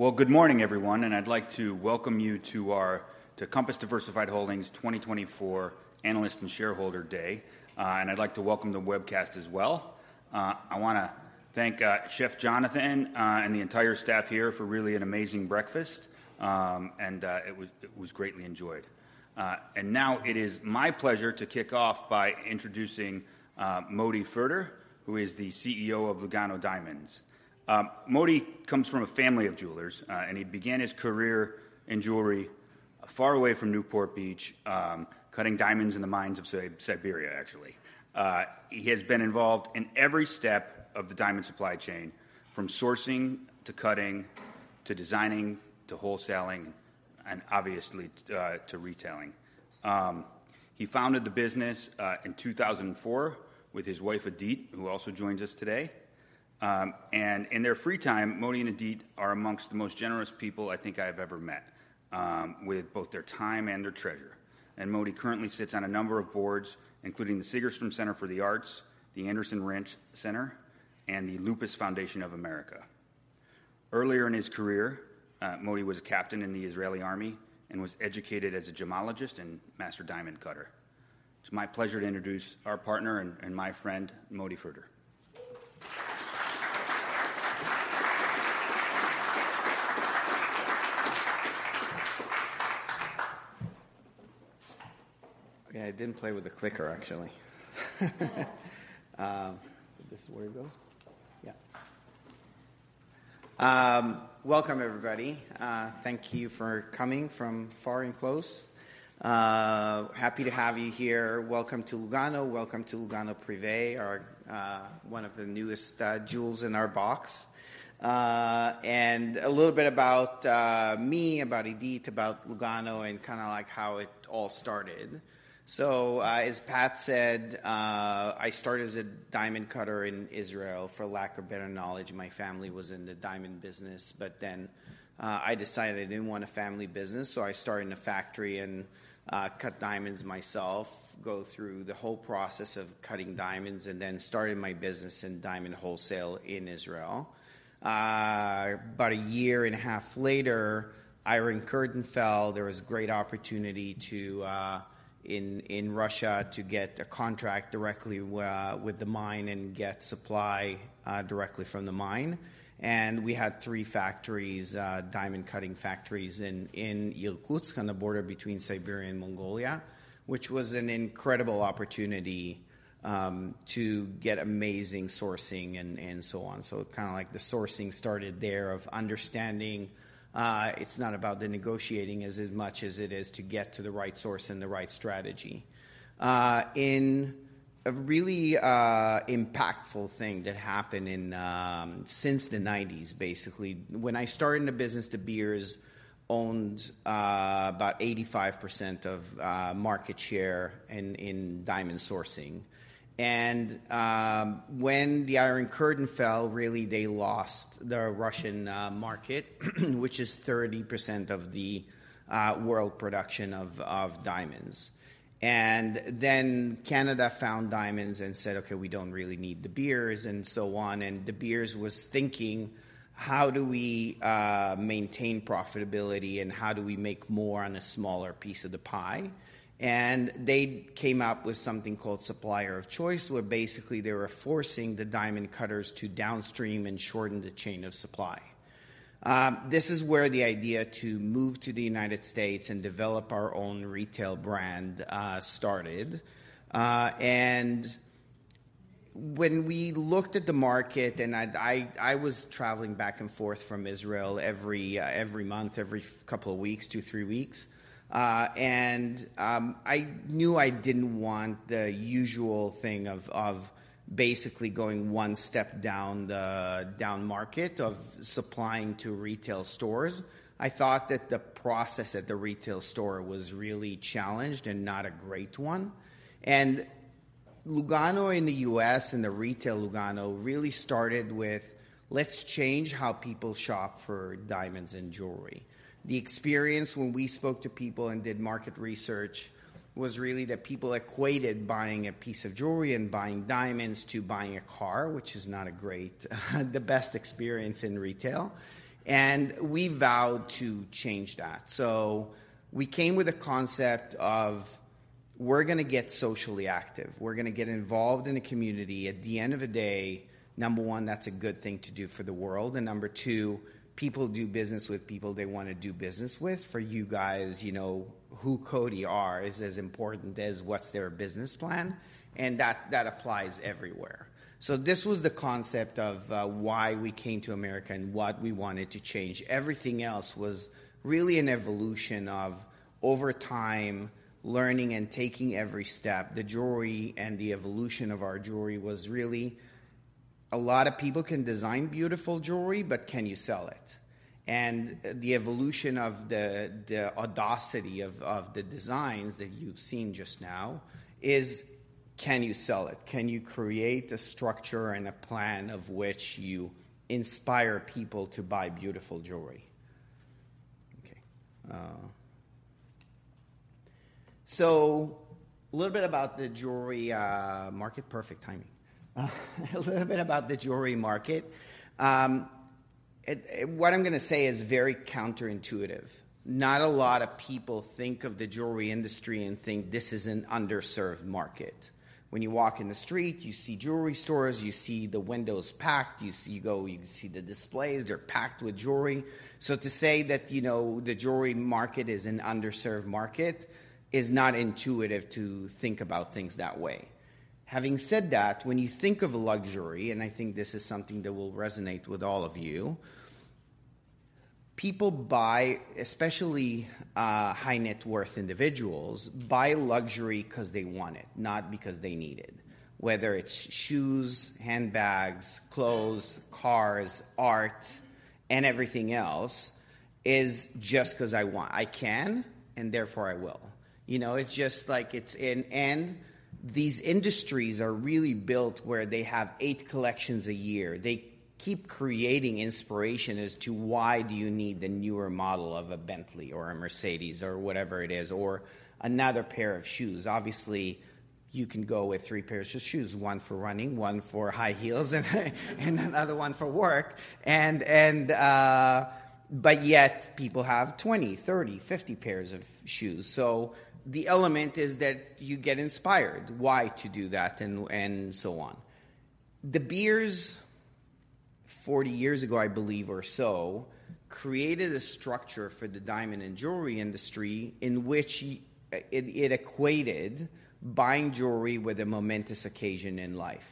Well, good morning, everyone, and I'd like to welcome you to our, to Compass Diversified Holdings 2024 Analyst and Shareholder Day. And I'd like to welcome the webcast as well. I wanna thank Chef Jonathan and the entire staff here for really an amazing breakfast, and it was greatly enjoyed. And now it is my pleasure to kick off by introducing Moti Ferder, who is the CEO of Lugano Diamonds. Moti comes from a family of jewelers, and he began his career in jewelry far away from Newport Beach, cutting diamonds in the mines of Siberia, actually. He has been involved in every step of the diamond supply chain, from sourcing, to cutting, to designing, to wholesaling, and obviously, to retailing. He founded the business in 2004 with his wife, Idit, who also joins us today. In their free time, Moti and Idit are amongst the most generous people I think I've ever met, with both their time and their treasure. Moti currently sits on a number of boards, including the Segerstrom Center for the Arts, the Anderson Ranch Arts Center, and the Lupus Foundation of America. Earlier in his career, Moti was a captain in the Israeli Army and was educated as a gemologist and master diamond cutter. It's my pleasure to introduce our partner and, and my friend, Moti Ferder. Okay, I didn't play with the clicker, actually. This is where it goes? Yeah. Welcome, everybody. Thank you for coming from far and close. Happy to have you here. Welcome to Lugano. Welcome to Lugano Privé, our, one of the newest, jewels in our box. And a little bit about, me, about Idit, about Lugano, and kinda like how it all started. So, as Pat said, I started as a diamond cutter in Israel. For lack of better knowledge, my family was in the diamond business, but then, I decided I didn't want a family business, so I started in a factory and, cut diamonds myself, go through the whole process of cutting diamonds, and then started my business in diamond wholesale in Israel. About a year and a half later, Iron Curtain fell. There was great opportunity to in Russia to get a contract directly with the mine and get supply directly from the mine. And we had three factories, diamond cutting factories in Irkutsk, on the border between Siberia and Mongolia, which was an incredible opportunity to get amazing sourcing and so on. So kinda like the sourcing started there of understanding, it's not about the negotiating as much as it is to get to the right source and the right strategy. In a really impactful thing that happened in since the 1990s, basically, when I started in the business, De Beers owned about 85% of market share in diamond sourcing. When the Iron Curtain fell, really, they lost the Russian market, which is 30% of the world production of diamonds. And then Canada found diamonds and said, "Okay, we don't really need De Beers," and so on. And De Beers was thinking: How do we maintain profitability, and how do we make more on a smaller piece of the pie? And they came up with something called Supplier of Choice, where basically they were forcing the diamond cutters to downstream and shorten the chain of supply. This is where the idea to move to the United States and develop our own retail brand started. And when we looked at the market... And I was traveling back and forth from Israel every month, every couple of weeks, two, three weeks. And I knew I didn't want the usual thing of basically going one step down the downmarket of supplying to retail stores. I thought that the process at the retail store was really challenged and not a great one. And Lugano in the U.S. and the retail Lugano really started with: Let's change how people shop for diamonds and jewelry. The experience when we spoke to people and did market research was really that people equated buying a piece of jewelry and buying diamonds to buying a car, which is not a great, the best experience in retail. And we vowed to change that. So we came with a concept of, we're gonna get socially active. We're gonna get involved in the community. At the end of the day, number one, that's a good thing to do for the world, and number two, people do business with people they wanna do business with. For you guys, you know, who Cody are is as important as what's their business plan, and that, that applies everywhere. So this was the concept of why we came to America and what we wanted to change. Everything else was really an evolution of, over time, learning and taking every step. The jewelry and the evolution of our jewelry was really... A lot of people can design beautiful jewelry, but can you sell it? And the evolution of the, the audacity of, of the designs that you've seen just now is: Can you sell it? Can you create a structure and a plan of which you inspire people to buy beautiful jewelry? So a little bit about the jewelry market. Perfect timing. A little bit about the jewelry market. What I'm gonna say is very counterintuitive. Not a lot of people think of the jewelry industry and think, "This is an underserved market." When you walk in the street, you see jewelry stores, you see the windows packed, you go, you see the displays, they're packed with jewelry. So to say that, you know, the jewelry market is an underserved market, is not intuitive to think about things that way. Having said that, when you think of luxury, and I think this is something that will resonate with all of you, people buy, especially, high-net-worth individuals, buy luxury 'cause they want it, not because they need it. Whether it's shoes, handbags, clothes, cars, art, and everything else, is just 'cause I want—I can, and therefore I will. You know, it's just like it's in... And these industries are really built where they have eight collections a year. They keep creating inspiration as to why do you need the newer model of a Bentley or a Mercedes or whatever it is, or another pair of shoes. Obviously, you can go with three pairs of shoes, one for running, one for high heels, and, and, but yet people have 20, 30, 50 pairs of shoes. So the element is that you get inspired why to do that and, and so on. De Beers, 40 years ago, I believe, or so, created a structure for the diamond and jewelry industry in which it equated buying jewelry with a momentous occasion in life.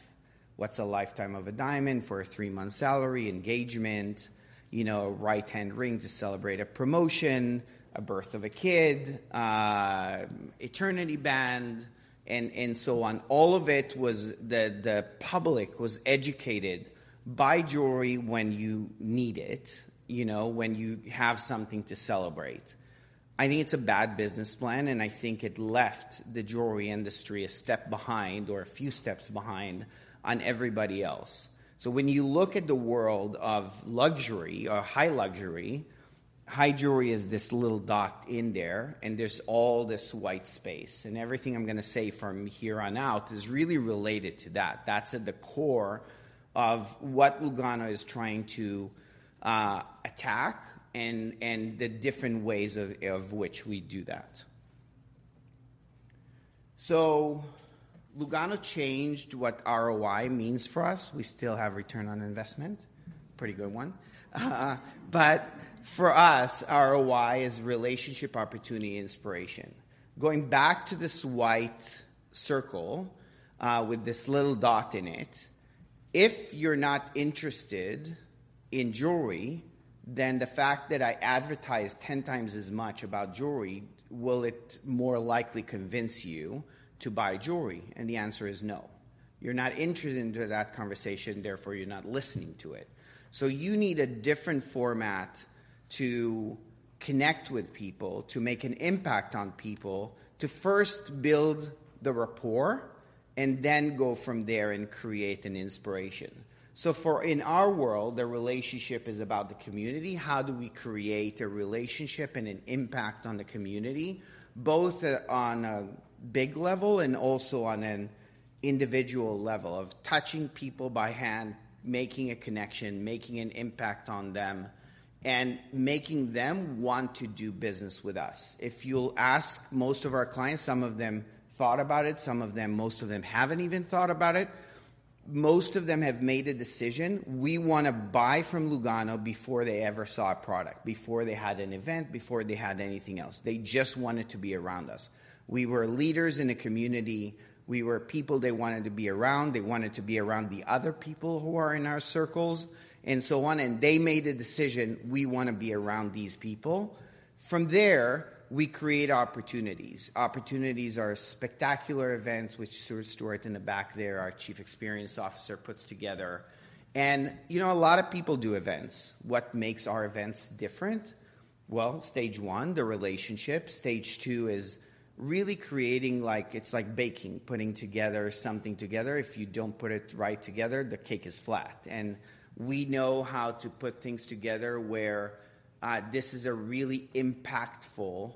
What's a lifetime of a diamond for a three-month salary, engagement, you know, a right-hand ring to celebrate a promotion, a birth of a kid, eternity band, and so on. All of it was, the public was educated, buy jewelry when you need it, you know, when you have something to celebrate. I think it's a bad business plan, and I think it left the jewelry industry a step behind or a few steps behind on everybody else. So when you look at the world of luxury or high luxury, high jewelry is this little dot in there, and there's all this white space. Everything I'm gonna say from here on out is really related to that. That's at the core of what Lugano is trying to attack and the different ways of which we do that. So Lugano changed what ROI means for us. We still have return on investment, pretty good one. But for us, ROI is relationship, opportunity, inspiration. Going back to this white circle with this little dot in it, if you're not interested in jewelry, then the fact that I advertise 10x as much about jewelry, will it more likely convince you to buy jewelry? And the answer is no. You're not interested into that conversation, therefore, you're not listening to it. So you need a different format to connect with people, to make an impact on people, to first build the rapport and then go from there and create an inspiration. In our world, the relationship is about the community. How do we create a relationship and an impact on the community, both on a big level and also on an individual level of touching people by hand, making a connection, making an impact on them, and making them want to do business with us? If you'll ask most of our clients, some of them thought about it, most of them haven't even thought about it. Most of them have made a decision, we wanna buy from Lugano before they ever saw a product, before they had an event, before they had anything else. They just wanted to be around us. We were leaders in the community. We were people they wanted to be around. They wanted to be around the other people who are in our circles, and so on, and they made a decision, "We wanna be around these people." From there, we create opportunities. Opportunities are spectacular events, which Stuart in the back there, our Chief Experience Officer, puts together. And, you know, a lot of people do events. What makes our events different? Well, stage one, the relationship. Stage two is really creating like... It's like baking, putting together something together. If you don't put it right together, the cake is flat. And we know how to put things together where this is a really impactful,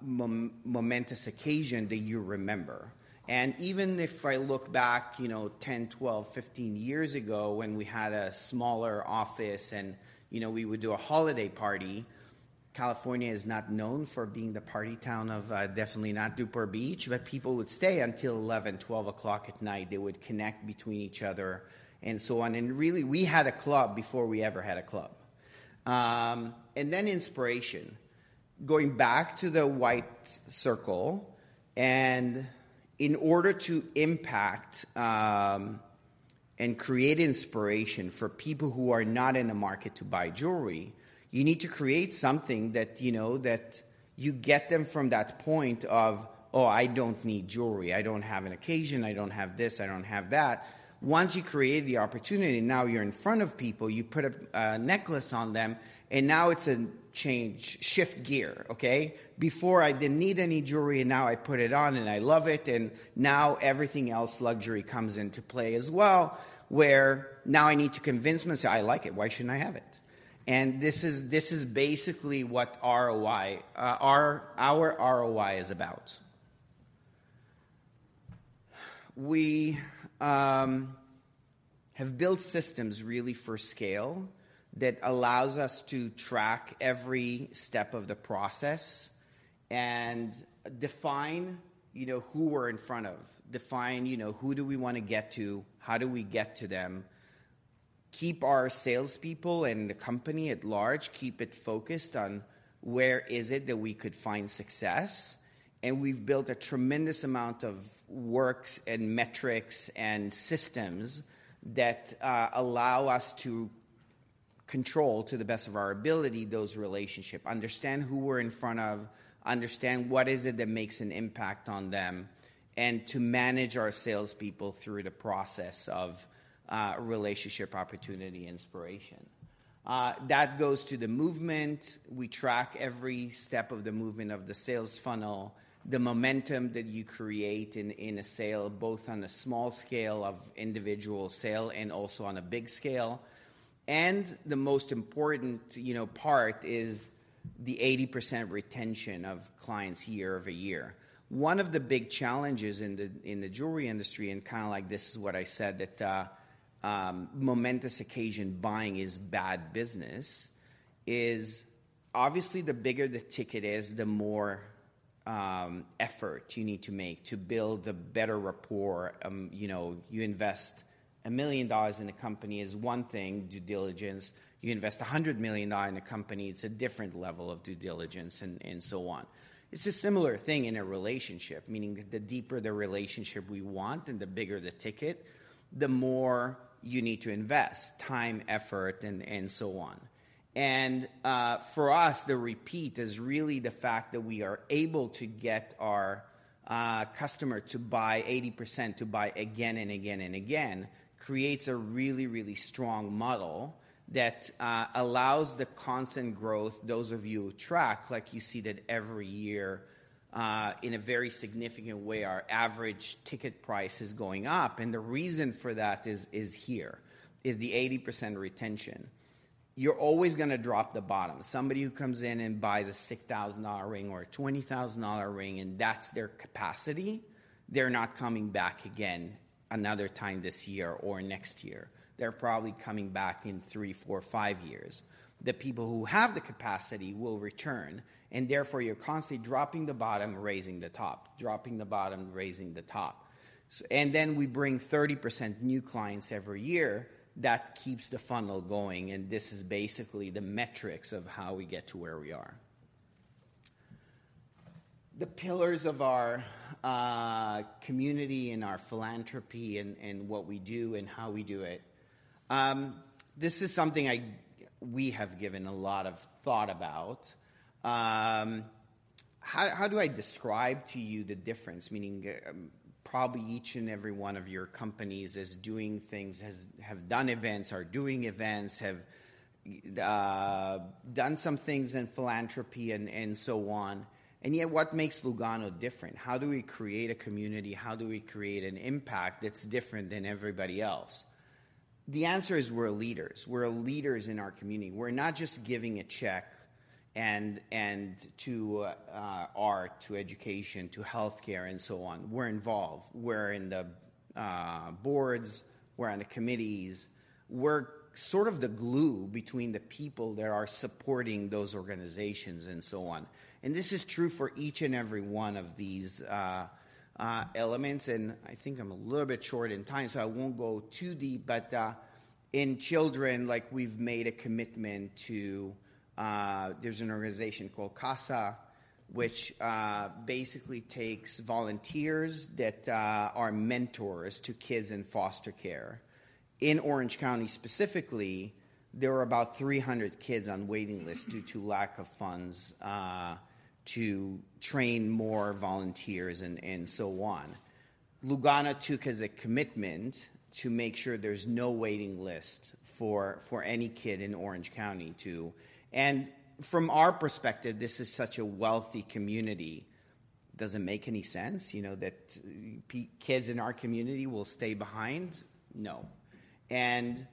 momentous occasion that you remember. And even if I look back, you know, 10, 12, 15 years ago, when we had a smaller office and, you know, we would do a holiday party, California is not known for being the party town of, definitely not Newport Beach, but people would stay until 11, 12 o'clock at night. They would connect between each other, and so on. And really, we had a club before we ever had a club. And then inspiration. Going back to the white circle, and in order to impact, and create inspiration for people who are not in the market to buy jewelry, you need to create something that, you know, that you get them from that point of, "Oh, I don't need jewelry. I don't have an occasion. I don't have this. I don't have that." Once you create the opportunity, now you're in front of people, you put a necklace on them, and now it's a change, shift gear, okay? Before, "I didn't need any jewelry, and now I put it on and I love it," and now everything else, luxury, comes into play as well, where now I need to convince myself, "I like it. Why shouldn't I have it?"... and this is, this is basically what ROI, our, our ROI is about. We have built systems really for scale that allows us to track every step of the process and define, you know, who we're in front of. Define, you know, who do we wanna get to? How do we get to them? Keep our salespeople and the company at large, keep it focused on where is it that we could find success. We've built a tremendous amount of works, and metrics, and systems that allow us to control, to the best of our ability, those relationship, understand who we're in front of, understand what is it that makes an impact on them, and to manage our salespeople through the process of relationship, opportunity, inspiration. That goes to the movement. We track every step of the movement of the sales funnel, the momentum that you create in a sale, both on a small scale of individual sale and also on a big scale. The most important, you know, part is the 80% retention of clients year-over-year. One of the big challenges in the jewelry industry, and kinda like this is what I said, that momentous occasion buying is bad business, is obviously the bigger the ticket is, the more effort you need to make to build a better rapport. You know, you invest $1 million in a company is one thing, due diligence. You invest $100 million in a company, it's a different level of due diligence and so on. It's a similar thing in a relationship, meaning the deeper the relationship we want and the bigger the ticket, the more you need to invest: time, effort, and so on. For us, the repeat is really the fact that we are able to get our customer to buy, 80% to buy again and again and again, creates a really, really strong model that allows the constant growth. Those of you who track, like you see that every year, in a very significant way, our average ticket price is going up, and the reason for that is here, is the 80% retention. You're always gonna drop the bottom. Somebody who comes in and buys a $6,000 ring or a $20,000 ring, and that's their capacity, they're not coming back again another time this year or next year. They're probably coming back in three, four, five years. The people who have the capacity will return, and therefore, you're constantly dropping the bottom, raising the top, dropping the bottom, raising the top. And then we bring 30% new clients every year. That keeps the funnel going, and this is basically the metrics of how we get to where we are. The pillars of our community and our philanthropy and what we do and how we do it. This is something we have given a lot of thought about. How do I describe to you the difference? Meaning, probably each and every one of your companies is doing things, have done events, are doing events, have done some things in philanthropy and so on. And yet, what makes Lugano different? How do we create a community? How do we create an impact that's different than everybody else? The answer is we're leaders. We're leaders in our community. We're not just giving a check and to art, to education, to healthcare, and so on. We're involved. We're in the boards, we're on the committees. We're sort of the glue between the people that are supporting those organizations and so on. And this is true for each and every one of these elements. And I think I'm a little bit short in time, so I won't go too deep, but in children, like, we've made a commitment to... There's an organization called CASA, which basically takes volunteers that are mentors to kids in foster care. In Orange County, specifically, there are about 300 kids on waiting list due to lack of funds to train more volunteers and so on. Lugano took as a commitment to make sure there's no waiting list for any kid in Orange County to— And from our perspective, this is such a wealthy community. Does it make any sense, you know, that poor kids in our community will stay behind? No. And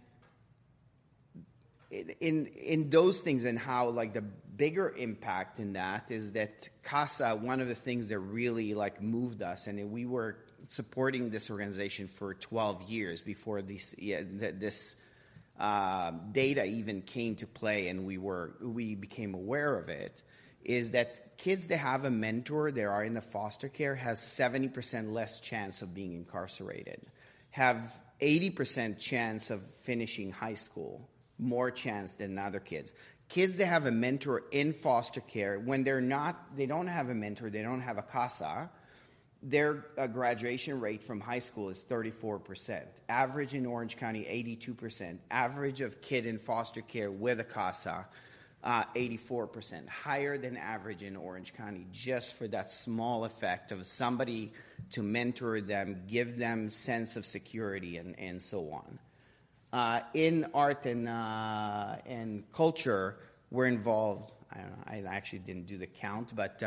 in those things and how, like, the bigger impact in that is that CASA, one of the things that really, like, moved us, and we were supporting this organization for 12 years before this data even came to play, and we became aware of it, is that kids that have a mentor that are in the foster care has 70% less chance of being incarcerated, have 80% chance of finishing high school, more chance than other kids. Kids that have a mentor in foster care, when they don't have a mentor, they don't have a CASA, their graduation rate from high school is 34%. Average in Orange County, 82%. Average of kid in foster care with a CASA, 84%, higher than average in Orange County, just for that small effect of somebody to mentor them, give them sense of security and so on. In art and culture, we're involved. I actually didn't do the count, but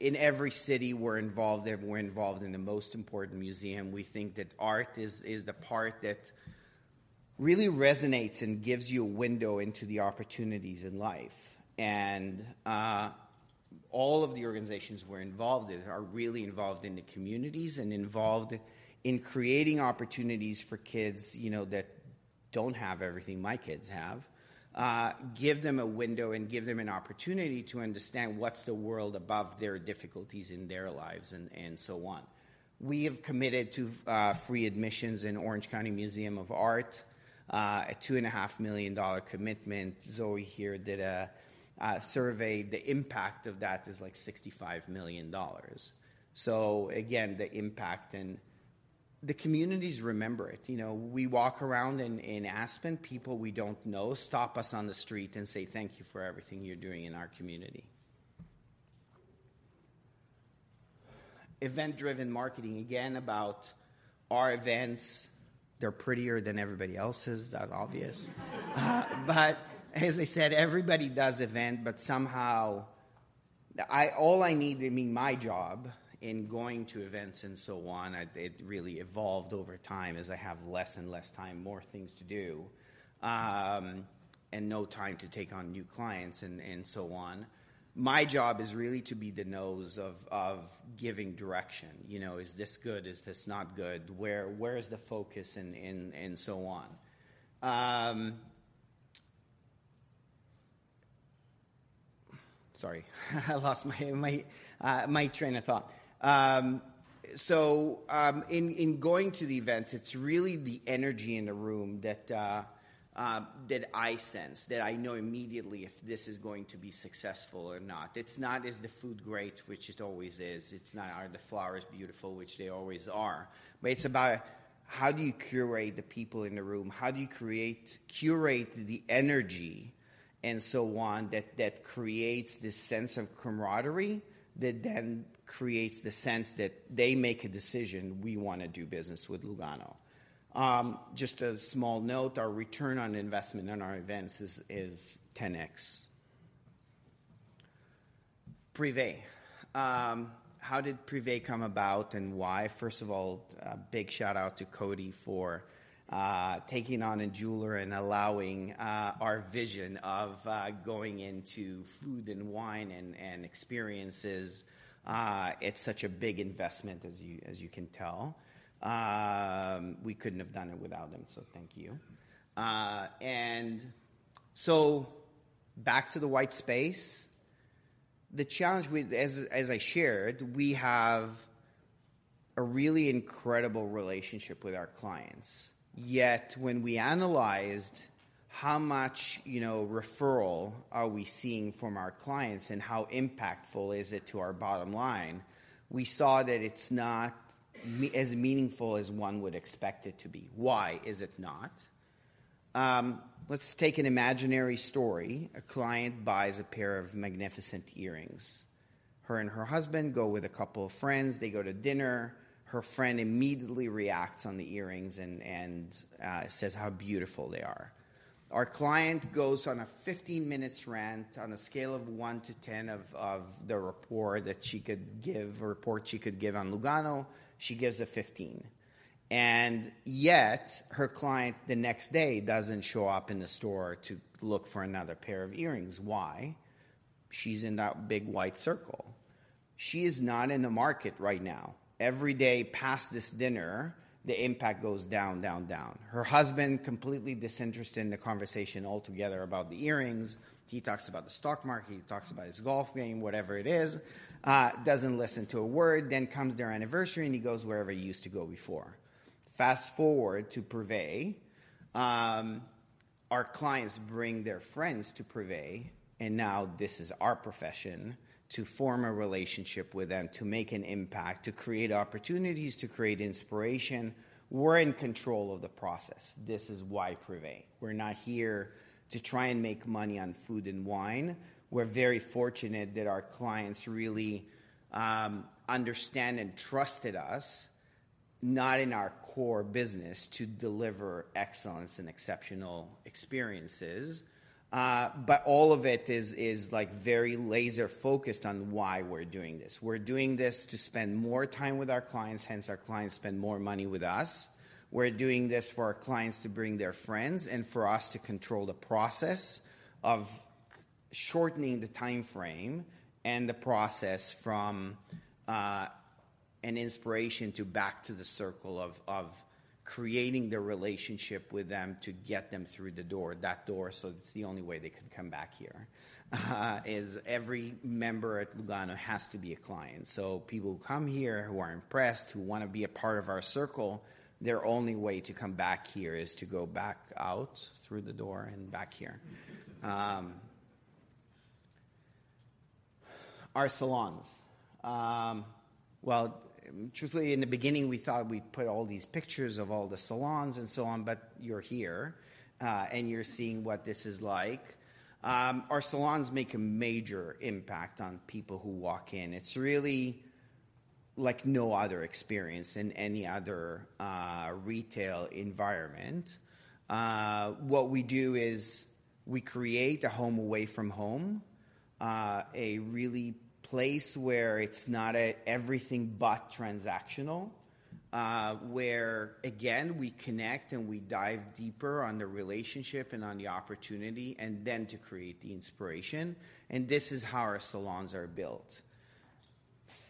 in every city we're involved, everywhere involved in the most important museum. We think that art is the part that really resonates and gives you a window into the opportunities in life. All of the organizations we're involved in are really involved in the communities and involved in creating opportunities for kids, you know, that don't have everything my kids have. Give them a window and give them an opportunity to understand what's the world above their difficulties in their lives and, and so on. We have committed to free admissions in Orange County Museum of Art, a $2.5 million commitment. Zoe here did a survey. The impact of that is like $65 million. So again, the impact and the communities remember it. You know, we walk around in Aspen, people we don't know stop us on the street and say, "Thank you for everything you're doing in our community." Event-driven marketing, again, about our events, they're prettier than everybody else's. That's obvious. But as I said, everybody does event, but somehow, I—all I need to mean my job in going to events and so on, it really evolved over time as I have less and less time, more things to do, and no time to take on new clients and so on. My job is really to be the nose of giving direction. You know, is this good? Is this not good? Where is the focus and so on. Sorry, I lost my train of thought. So, in going to the events, it's really the energy in the room that I sense, that I know immediately if this is going to be successful or not. It's not, is the food great, which it always is. It's not are the flowers beautiful, which they always are. But it's about how do you curate the people in the room? How do you create, curate the energy and so on, that creates this sense of camaraderie, that then creates the sense that they make a decision, we wanna do business with Lugano. Just a small note, our return on investment on our events is 10x. Privé. How did Privé come about and why? First of all, a big shout out to Cody for taking on a jeweler and allowing our vision of going into food and wine and experiences. It's such a big investment, as you can tell. We couldn't have done it without him, so thank you. And so back to the white space. The challenge, as I shared, we have a really incredible relationship with our clients. Yet, when we analyzed how much, you know, referral are we seeing from our clients and how impactful is it to our bottom line, we saw that it's not as meaningful as one would expect it to be. Why is it not? Let's take an imaginary story. A client buys a pair of magnificent earrings. Her and her husband go with a couple of friends. They go to dinner. Her friend immediately reacts on the earrings and says how beautiful they are. Our client goes on a 15-minute rant, on a scale of one to 10 of the rapport that she could give, or report she could give on Lugano, she gives a 15. And yet, her client, the next day, doesn't show up in the store to look for another pair of earrings. Why? She's in that big white circle. She is not in the market right now. Every day past this dinner, the impact goes down, down, down. Her husband, completely disinterested in the conversation altogether about the earrings. He talks about the stock market, he talks about his golf game, whatever it is, doesn't listen to a word. Then comes their anniversary, and he goes wherever he used to go before. Fast forward to Privé. Our clients bring their friends to Privé, and now this is our profession, to form a relationship with them, to make an impact, to create opportunities, to create inspiration. We're in control of the process. This is why Privé. We're not here to try and make money on food and wine. We're very fortunate that our clients really understand and trusted us, not in our core business, to deliver excellence and exceptional experiences. But all of it is like very laser-focused on why we're doing this. We're doing this to spend more time with our clients, hence, our clients spend more money with us. We're doing this for our clients to bring their friends and for us to control the process of shortening the time frame and the process from an inspiration to back to the circle of creating the relationship with them to get them through the door, that door, so it's the only way they can come back here. Is every member at Lugano has to be a client. So people who come here, who are impressed, who wanna be a part of our circle, their only way to come back here is to go back out through the door and back here. Our salons. Well, truthfully, in the beginning, we thought we'd put all these pictures of all the salons and so on, but you're here, and you're seeing what this is like. Our salons make a major impact on people who walk in. It's really like no other experience in any other retail environment. What we do is we create a home away from home, a really place where it's not a everything but transactional, where again, we connect and we dive deeper on the relationship and on the opportunity, and then to create the inspiration, and this is how our salons are built.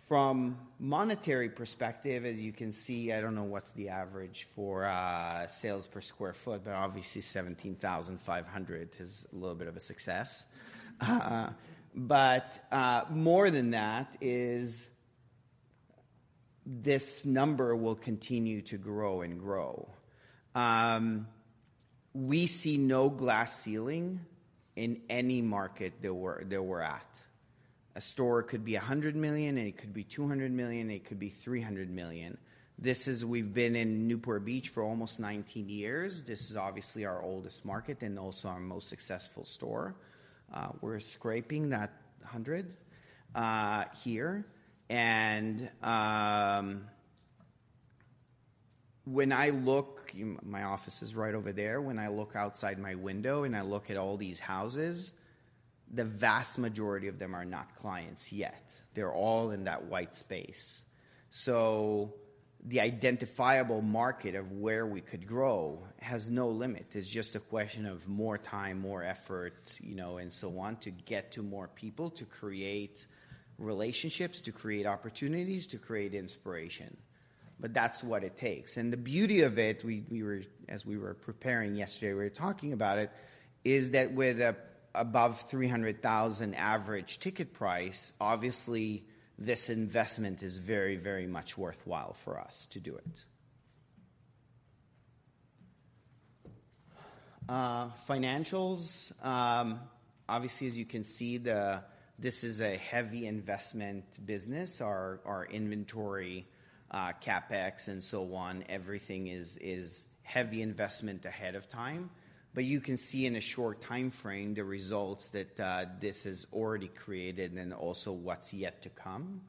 From monetary perspective, as you can see, I don't know what's the average for sales per sq ft, but obviously $17,500 is a little bit of a success. But more than that is this number will continue to grow and grow. We see no glass ceiling in any market that we're, that we're at. A store could be $100 million, and it could be $200 million, it could be $300 million. This is, we've been in Newport Beach for almost 19 years. This is obviously our oldest market and also our most successful store. We're scraping that $100 here. And when I look. My office is right over there. When I look outside my window, and I look at all these houses, the vast majority of them are not clients yet. They're all in that white space. So the identifiable market of where we could grow has no limit. It's just a question of more time, more effort, you know, and so on, to get to more people, to create relationships, to create opportunities, to create inspiration. But that's what it takes. And the beauty of it, as we were preparing yesterday, we were talking about it, is that with above $300,000 average ticket price, obviously, this investment is very, very much worthwhile for us to do it. Financials, obviously, as you can see, this is a heavy investment business. Our inventory, CapEx, and so on, everything is heavy investment ahead of time. But you can see in a short time frame, the results that this has already created and then also what's yet to come.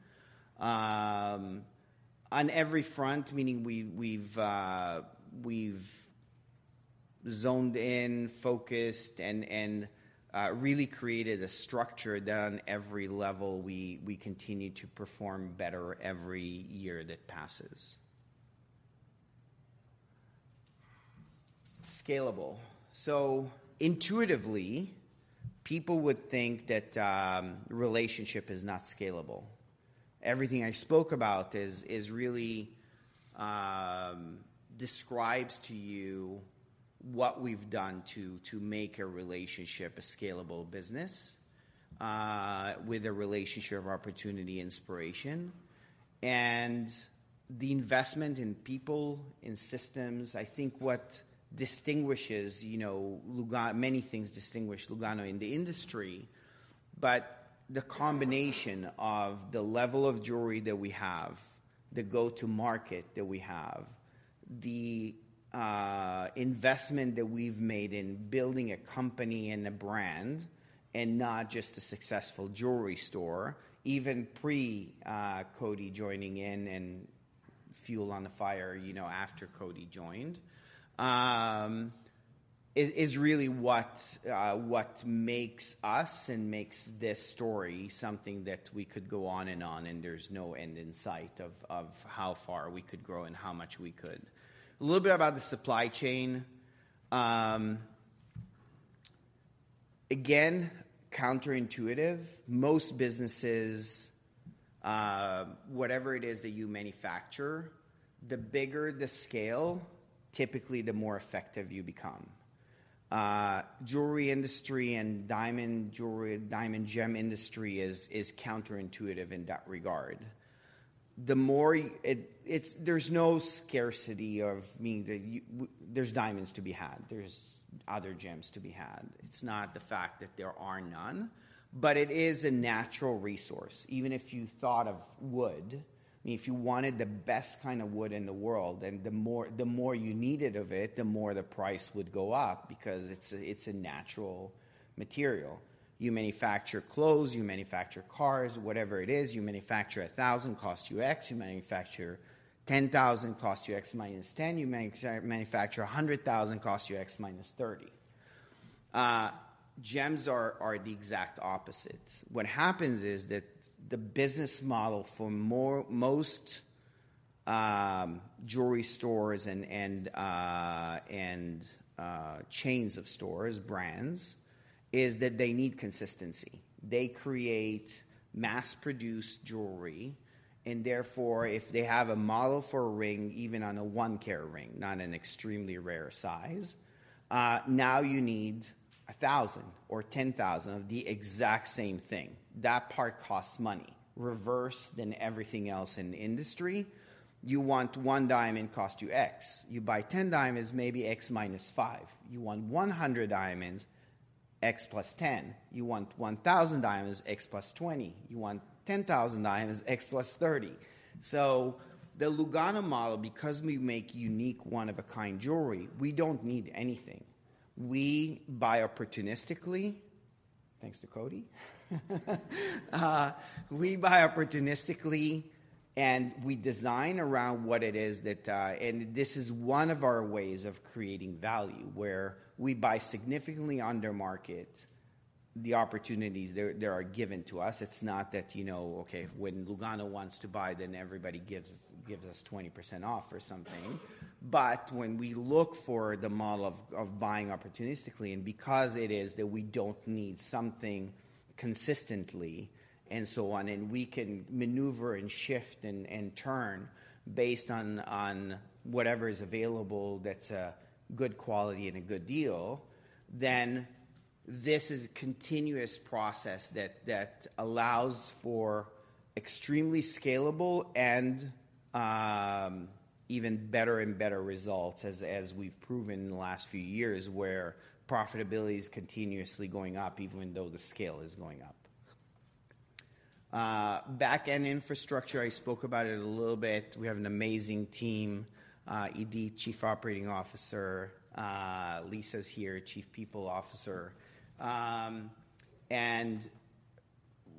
On every front, meaning we've zoned in, focused, and really created a structure that on every level, we continue to perform better every year that passes. Scalable. So intuitively, people would think that relationship is not scalable. Everything I spoke about is really describes to you what we've done to make a relationship a scalable business, with a relationship of opportunity, inspiration, and the investment in people, in systems. I think what distinguishes, you know, Lugano: many things distinguish Lugano in the industry, but the combination of the level of jewelry that we have, the go-to-market that we have, the investment that we've made in building a company and a brand and not just a successful jewelry store, even pre Cody joining in and fuel on the fire, you know, after Cody joined, is really what makes us and makes this story something that we could go on and on, and there's no end in sight of how far we could grow and how much we could. A little bit about the supply chain. Again, counterintuitive. Most businesses, whatever it is that you manufacture, the bigger the scale, typically, the more effective you become. Jewelry industry and diamond jewelry, diamond gem industry is counterintuitive in that regard. There's no scarcity of meaning that there's diamonds to be had. There's other gems to be had. It's not the fact that there are none, but it is a natural resource. Even if you thought of wood, if you wanted the best kind of wood in the world, and the more, the more you needed of it, the more the price would go up because it's a natural material. You manufacture clothes, you manufacture cars, whatever it is, you manufacture 1,000, costs you X. You manufacture 10,000, costs you X minus ten. You manufacture 100,000, costs you X minus thirty. Gems are the exact opposite. What happens is that the business model for most jewelry stores and chains of stores, brands, is that they need consistency. They create mass-produced jewelry, and therefore, if they have a model for a ring, even on a one-carat ring, not an extremely rare size, now you need 1,000 or 10,000 of the exact same thing. That part costs money. Reverse than everything else in the industry, you want one diamond, cost you X. You buy 10 diamonds, maybe X - 5. You want 100 diamonds, X + 10. You want 1,000 diamonds, X + 20. You want 10,000 diamonds, X + 30 The Lugano model, because we make unique, one-of-a-kind jewelry, we don't need anything. We buy opportunistically, thanks to Cody. We buy opportunistically, and we design around what it is that, and this is one of our ways of creating value, where we buy significantly under market, the opportunities that are given to us. It's not that, you know, okay, when Lugano wants to buy, then everybody gives, gives us 20% off or something. But when we look for the model of, of buying opportunistically, and because it is that we don't need something consistently and so on, and we can maneuver and shift and, and turn based on, on whatever is available that's a good quality and a good deal, then this is a continuous process that, that allows for extremely scalable and even better and better results, as, as we've proven in the last few years, where profitability is continuously going up even though the scale is going up. Back-end infrastructure, I spoke about it a little bit. We have an amazing team, Idit, Chief Operating Officer, Lisa's here, Chief People Officer. And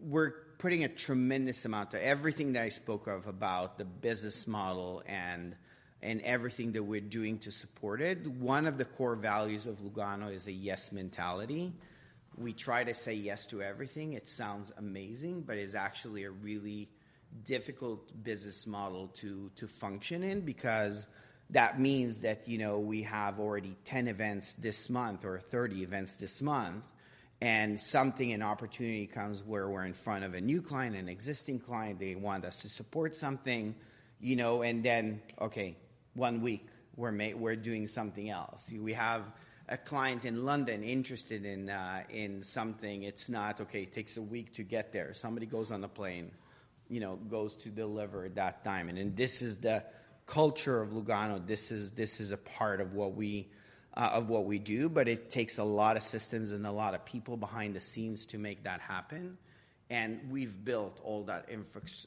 we're putting a tremendous amount to everything that I spoke of about the business model and, and everything that we're doing to support it. One of the core values of Lugano is a yes mentality. We try to say yes to everything. It sounds amazing, but it's actually a really difficult business model to function in because that means that, you know, we have already 10 events this month or 30 events this month, and something, an opportunity comes where we're in front of a new client, an existing client, they want us to support something, you know, and then, okay, one week we're doing something else. We have a client in London interested in something. It's not, okay, it takes a week to get there. Somebody goes on the plane, you know, goes to deliver that diamond. This is the culture of Lugano. This is a part of what we do, but it takes a lot of systems and a lot of people behind the scenes to make that happen, and we've built all that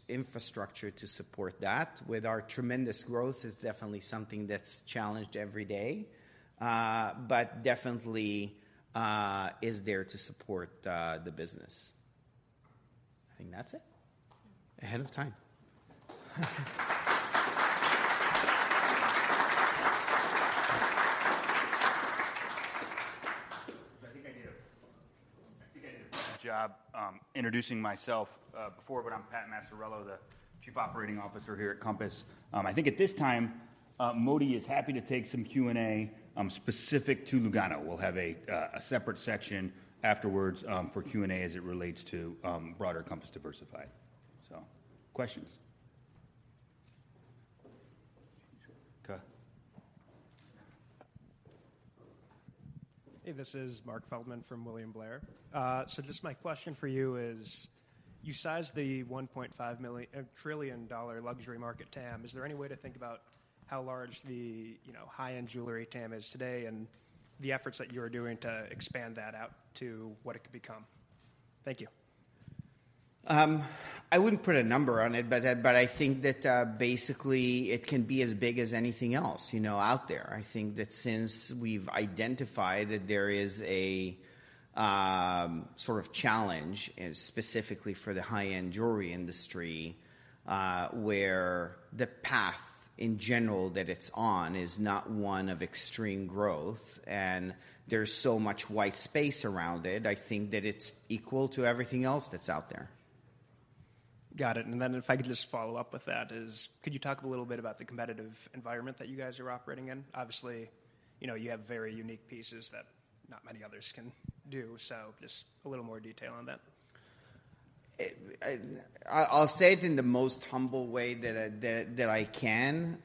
infrastructure to support that. With our tremendous growth, it's definitely something that's challenged every day, but definitely is there to support the business. I think that's it. Ahead of time. I think I did a bad job introducing myself before, but I'm Pat Maciariello, the Chief Operating Officer here at Compass. I think at this time, Moti is happy to take some Q&A specific to Lugano. We'll have a separate section afterwards for Q&A as it relates to broader Compass Diversified. So questions? Okay. Hey, this is Mark Feldman from William Blair. So just my question for you is: you sized the $1.5 trillion luxury market TAM. Is there any way to think about how large the, you know, high-end jewelry TAM is today and the efforts that you are doing to expand that out to what it could become? Thank you. I wouldn't put a number on it, but I think that basically it can be as big as anything else, you know, out there. I think that since we've identified that there is a sort of challenge, and specifically for the high-end jewelry industry, where the path in general that it's on is not one of extreme growth, and there's so much white space around it, I think that it's equal to everything else that's out there. Got it. And then if I could just follow up with that is, could you talk a little bit about the competitive environment that you guys are operating in? Obviously, you know, you have very unique pieces that not many others can do, so just a little more detail on that. I'll say it in the most humble way that I can.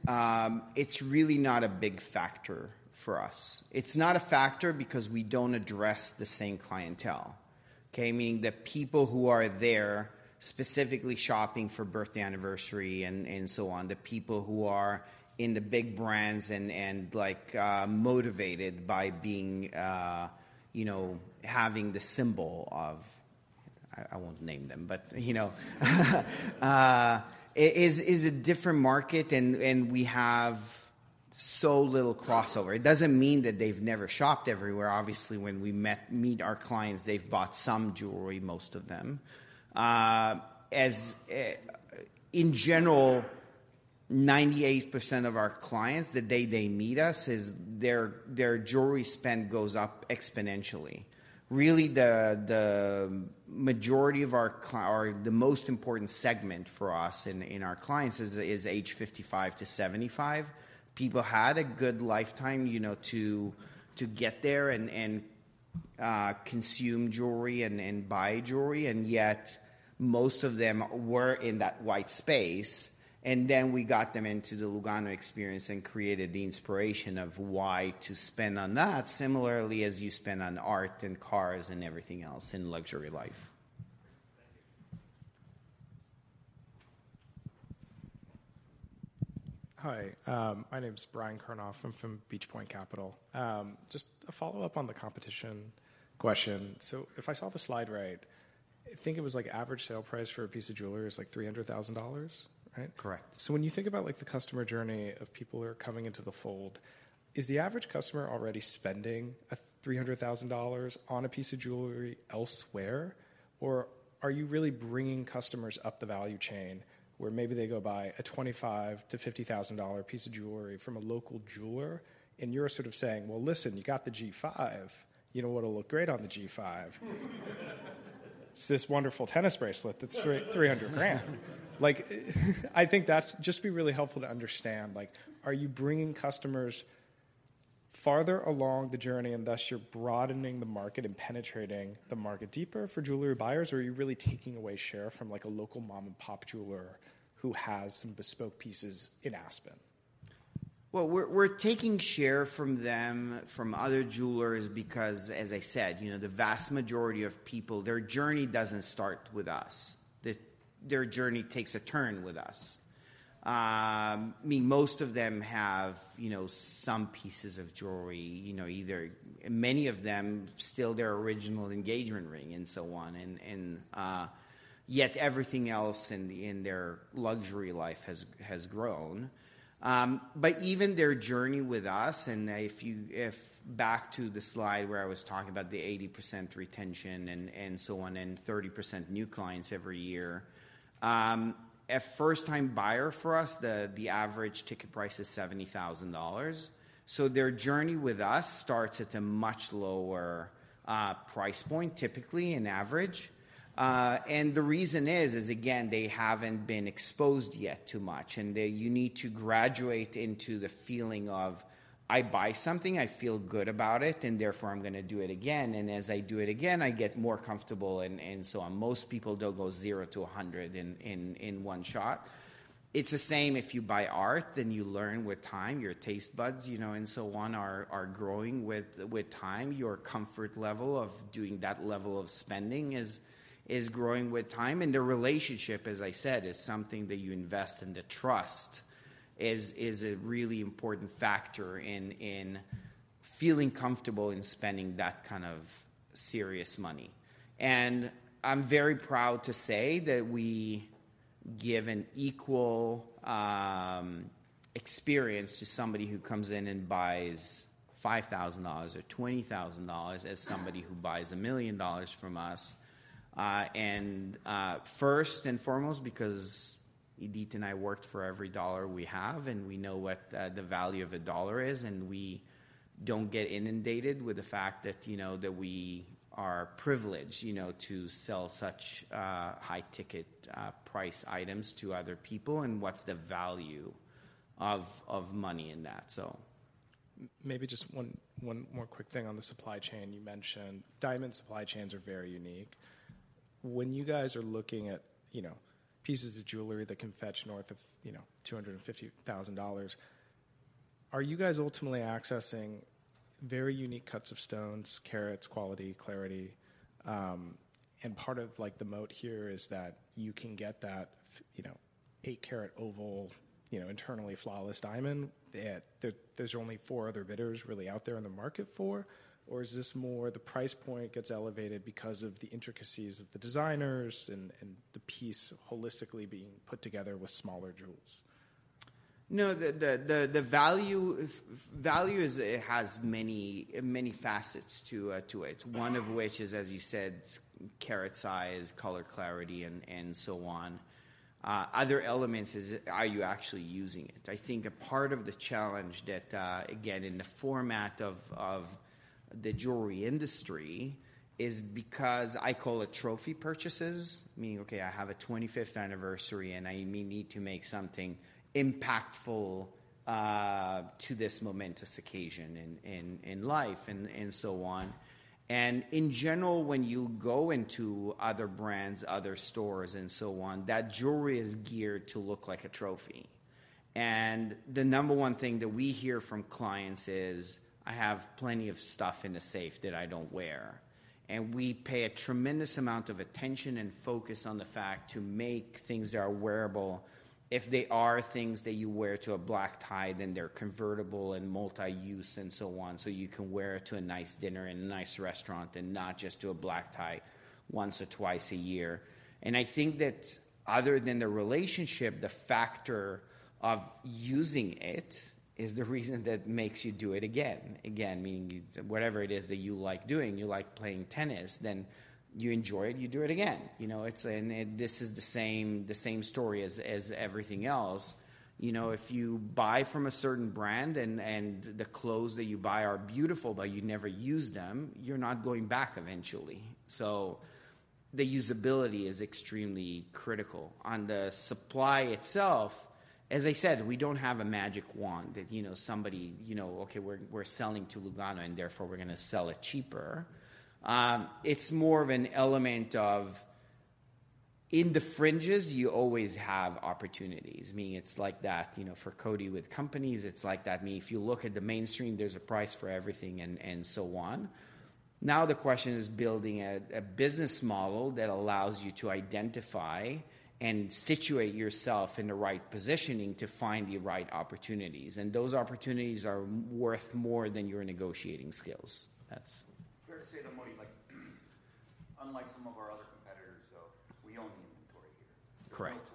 It's really not a big factor for us. It's not a factor because we don't address the same clientele, okay? Meaning the people who are there specifically shopping for birthday anniversary and so on, the people who are in the big brands and, like, motivated by being, you know, having the symbol of... I won't name them, but, you know, it is a different market, and we have so little crossover. It doesn't mean that they've never shopped everywhere. Obviously, when we meet our clients, they've bought some jewelry, most of them. As in general, 98% of our clients, the day they meet us, is their jewelry spend goes up exponentially. Really, the majority of our clients or the most important segment for us in our clients is age 55-75. People had a good lifetime, you know, to get there and consume jewelry and buy jewelry, and yet most of them were in that white space. And then we got them into the Lugano experience and created the inspiration of why to spend on that, similarly as you spend on art and cars and everything else in luxury life. Thank you. Hi, my name is Bryan Kurnoff. I'm from Beach Point Capital. Just a follow-up on the competition question. So if I saw the slide right, I think it was like average sale price for a piece of jewelry is like $300,000, right? Correct. So when you think about, like, the customer journey of people who are coming into the fold, is the average customer already spending $300,000 on a piece of jewelry elsewhere? Or are you really bringing customers up the value chain, where maybe they go buy a $25,000-$50,000 piece of jewelry from a local jeweler, and you're sort of saying: "Well, listen, you got the G5. You know what'll look great on the G5?" "It's this wonderful tennis bracelet that's $300,000." Like, I think that's just be really helpful to understand, like, are you bringing customers farther along the journey, and thus you're broadening the market and penetrating the market deeper for jewelry buyers? Or are you really taking away share from, like, a local mom-and-pop jeweler who has some bespoke pieces in Aspen? Well, we're taking share from them, from other jewelers, because, as I said, you know, the vast majority of people, their journey doesn't start with us. Their journey takes a turn with us. I mean, most of them have, you know, some pieces of jewelry, you know, either... Many of them still their original engagement ring and so on. And yet everything else in their luxury life has grown. But even their journey with us, and if you go back to the slide where I was talking about the 80% retention and so on, and 30% new clients every year. A first-time buyer for us, the average ticket price is $70,000. So their journey with us starts at a much lower price point, typically in average. And the reason is, is again, they haven't been exposed yet to much, and they-- you need to graduate into the feeling of, I buy something, I feel good about it, and therefore, I'm gonna do it again, and as I do it again, I get more comfortable and, and so on. Most people don't go zero to a hundred in, in, in one shot. It's the same if you buy art, and you learn with time, your taste buds, you know, and so on, are, are growing with, with time. Your comfort level of doing that level of spending is, is growing with time, and the relationship, as I said, is something that you invest, and the trust is, is a really important factor in, in feeling comfortable in spending that kind of serious money. I'm very proud to say that we give an equal experience to somebody who comes in and buys $5,000 or $20,000 as somebody who buys $1 million from us. And first and foremost, because Idit and I worked for every dollar we have, and we know what the value of a dollar is, and we don't get inundated with the fact that, you know, that we are privileged, you know, to sell such high-ticket price items to other people, and what's the value of money in that so... Maybe just one more quick thing on the supply chain. You mentioned diamond supply chains are very unique. When you guys are looking at, you know, pieces of jewelry that can fetch north of, you know, $250,000, are you guys ultimately accessing very unique cuts of stones, carats, quality, clarity? And part of, like, the moat here is that you can get that, you know, 8-carat oval, you know, Internally Flawless diamond, that there's only four other bidders really out there in the market for? Or is this more the price point gets elevated because of the intricacies of the designers and the piece holistically being put together with smaller jewels? No, the value is. It has many, many facets to it. One of which is, as you said, carat size, color, clarity, and so on. Other elements is are you actually using it? I think a part of the challenge that again in the format of the jewelry industry is because I call it trophy purchases. Meaning, okay, I have a 25th anniversary, and I may need to make something impactful to this momentous occasion in life and so on. In general, when you go into other brands, other stores, and so on, that jewelry is geared to look like a trophy. The number one thing that we hear from clients is: "I have plenty of stuff in the safe that I don't wear." We pay a tremendous amount of attention and focus on the fact to make things that are wearable. If they are things that you wear to a black tie, then they're convertible and multi-use and so on, so you can wear it to a nice dinner and a nice restaurant and not just to a black tie once or twice a year. I think that other than the relationship, the factor of using it is the reason that makes you do it again. Again, meaning you, whatever it is that you like doing, you like playing tennis, then you enjoy it, you do it again. You know, it's the same story as everything else. You know, if you buy from a certain brand and, and the clothes that you buy are beautiful, but you never use them, you're not going back eventually. So the usability is extremely critical. On the supply itself, as I said, we don't have a magic wand that, you know, somebody, you know, okay, we're, we're selling to Lugano, and therefore, we're gonna sell it cheaper. It's more of an element of in the fringes, you always have opportunities. Meaning it's like that, you know, for Cody with companies, it's like that, meaning if you look at the mainstream, there's a price for everything and, and so on. Now the question is building a business model that allows you to identify and situate yourself in the right positioning to find the right opportunities, and those opportunities are worth more than your negotiating skills. That's- Fair to say that Moti, like, unlike some of our other competitors, though, we own the inventory here. Correct. We're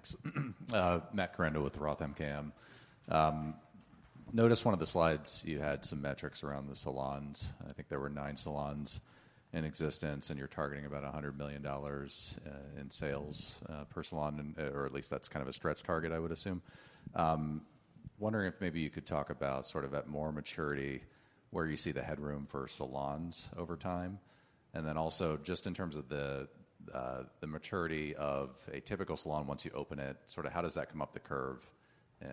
buying, we're removing middlemen, where others, though, would be a wholesaler, which may own, you know, a third, a half, 70% of sort of what you see on our store there. So we're able to pass on that value to our customers, I'd say. Correct. 100%. Yeah. Matt? Yeah, thanks. Matt Korando with Roth MKM. Noticed one of the slides, you had some metrics around the salons. I think there were nine salons in existence, and you're targeting about $100 million in sales per salon, and or at least that's kind of a stretch target, I would assume. Wondering if maybe you could talk about sort of at more maturity, where you see the headroom for salons over time? And then also, just in terms of the maturity of a typical salon, once you open it, sort of how does that come up the curve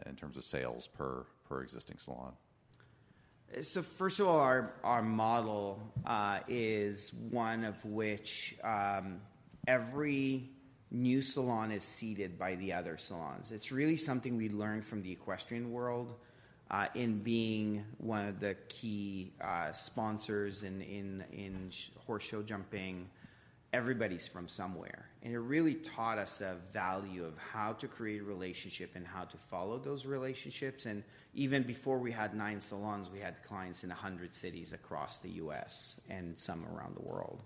in terms of sales per existing salon? So first of all, our model is one of which every new salon is seeded by the other salons. It's really something we learned from the equestrian world in being one of the key sponsors in horse show jumping. Everybody's from somewhere, and it really taught us the value of how to create a relationship and how to follow those relationships. Even before we had nine salons, we had clients in 100 cities across the U.S. and some around the world.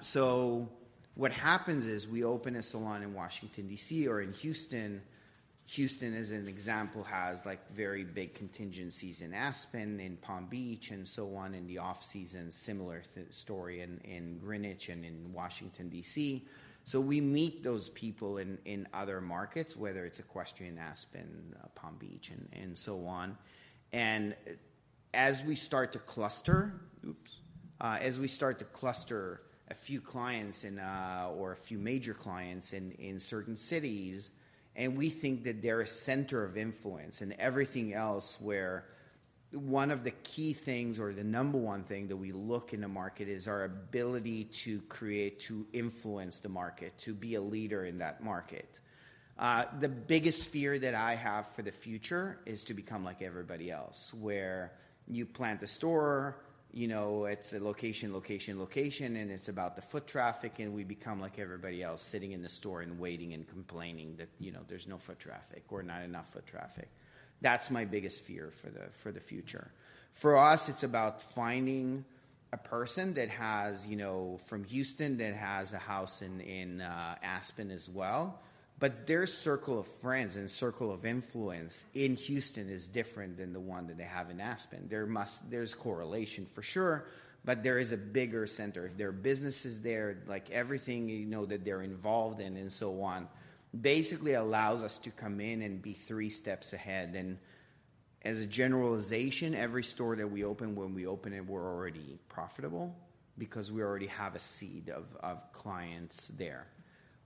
So what happens is, we open a salon in Washington, D.C., or in Houston. Houston, as an example, has, like, very big contingents in Aspen, in Palm Beach, and so on in the off-season. Similar story in Greenwich and in Washington, D.C. So we meet those people in other markets, whether it's equestrian Aspen, Palm Beach, and so on. And as we start to cluster a few clients in or a few major clients in certain cities, and we think that they're a center of influence and everything else, where one of the key things or the number one thing that we look in the market is our ability to create, to influence the market, to be a leader in that market. The biggest fear that I have for the future is to become like everybody else, where you plant a store, you know, it's location, location, location, and it's about the foot traffic, and we become like everybody else, sitting in the store and waiting and complaining that, you know, there's no foot traffic or not enough foot traffic. That's my biggest fear for the future. For us, it's about finding a person that has, you know, from Houston, that has a house in Aspen as well. But their circle of friends and circle of influence in Houston is different than the one that they have in Aspen. There's correlation for sure, but there is a bigger center. Their businesses there, like everything, you know, that they're involved in and so on, basically allows us to come in and be three steps ahead. And as a generalization, every store that we open, when we open it, we're already profitable because we already have a seed of clients there.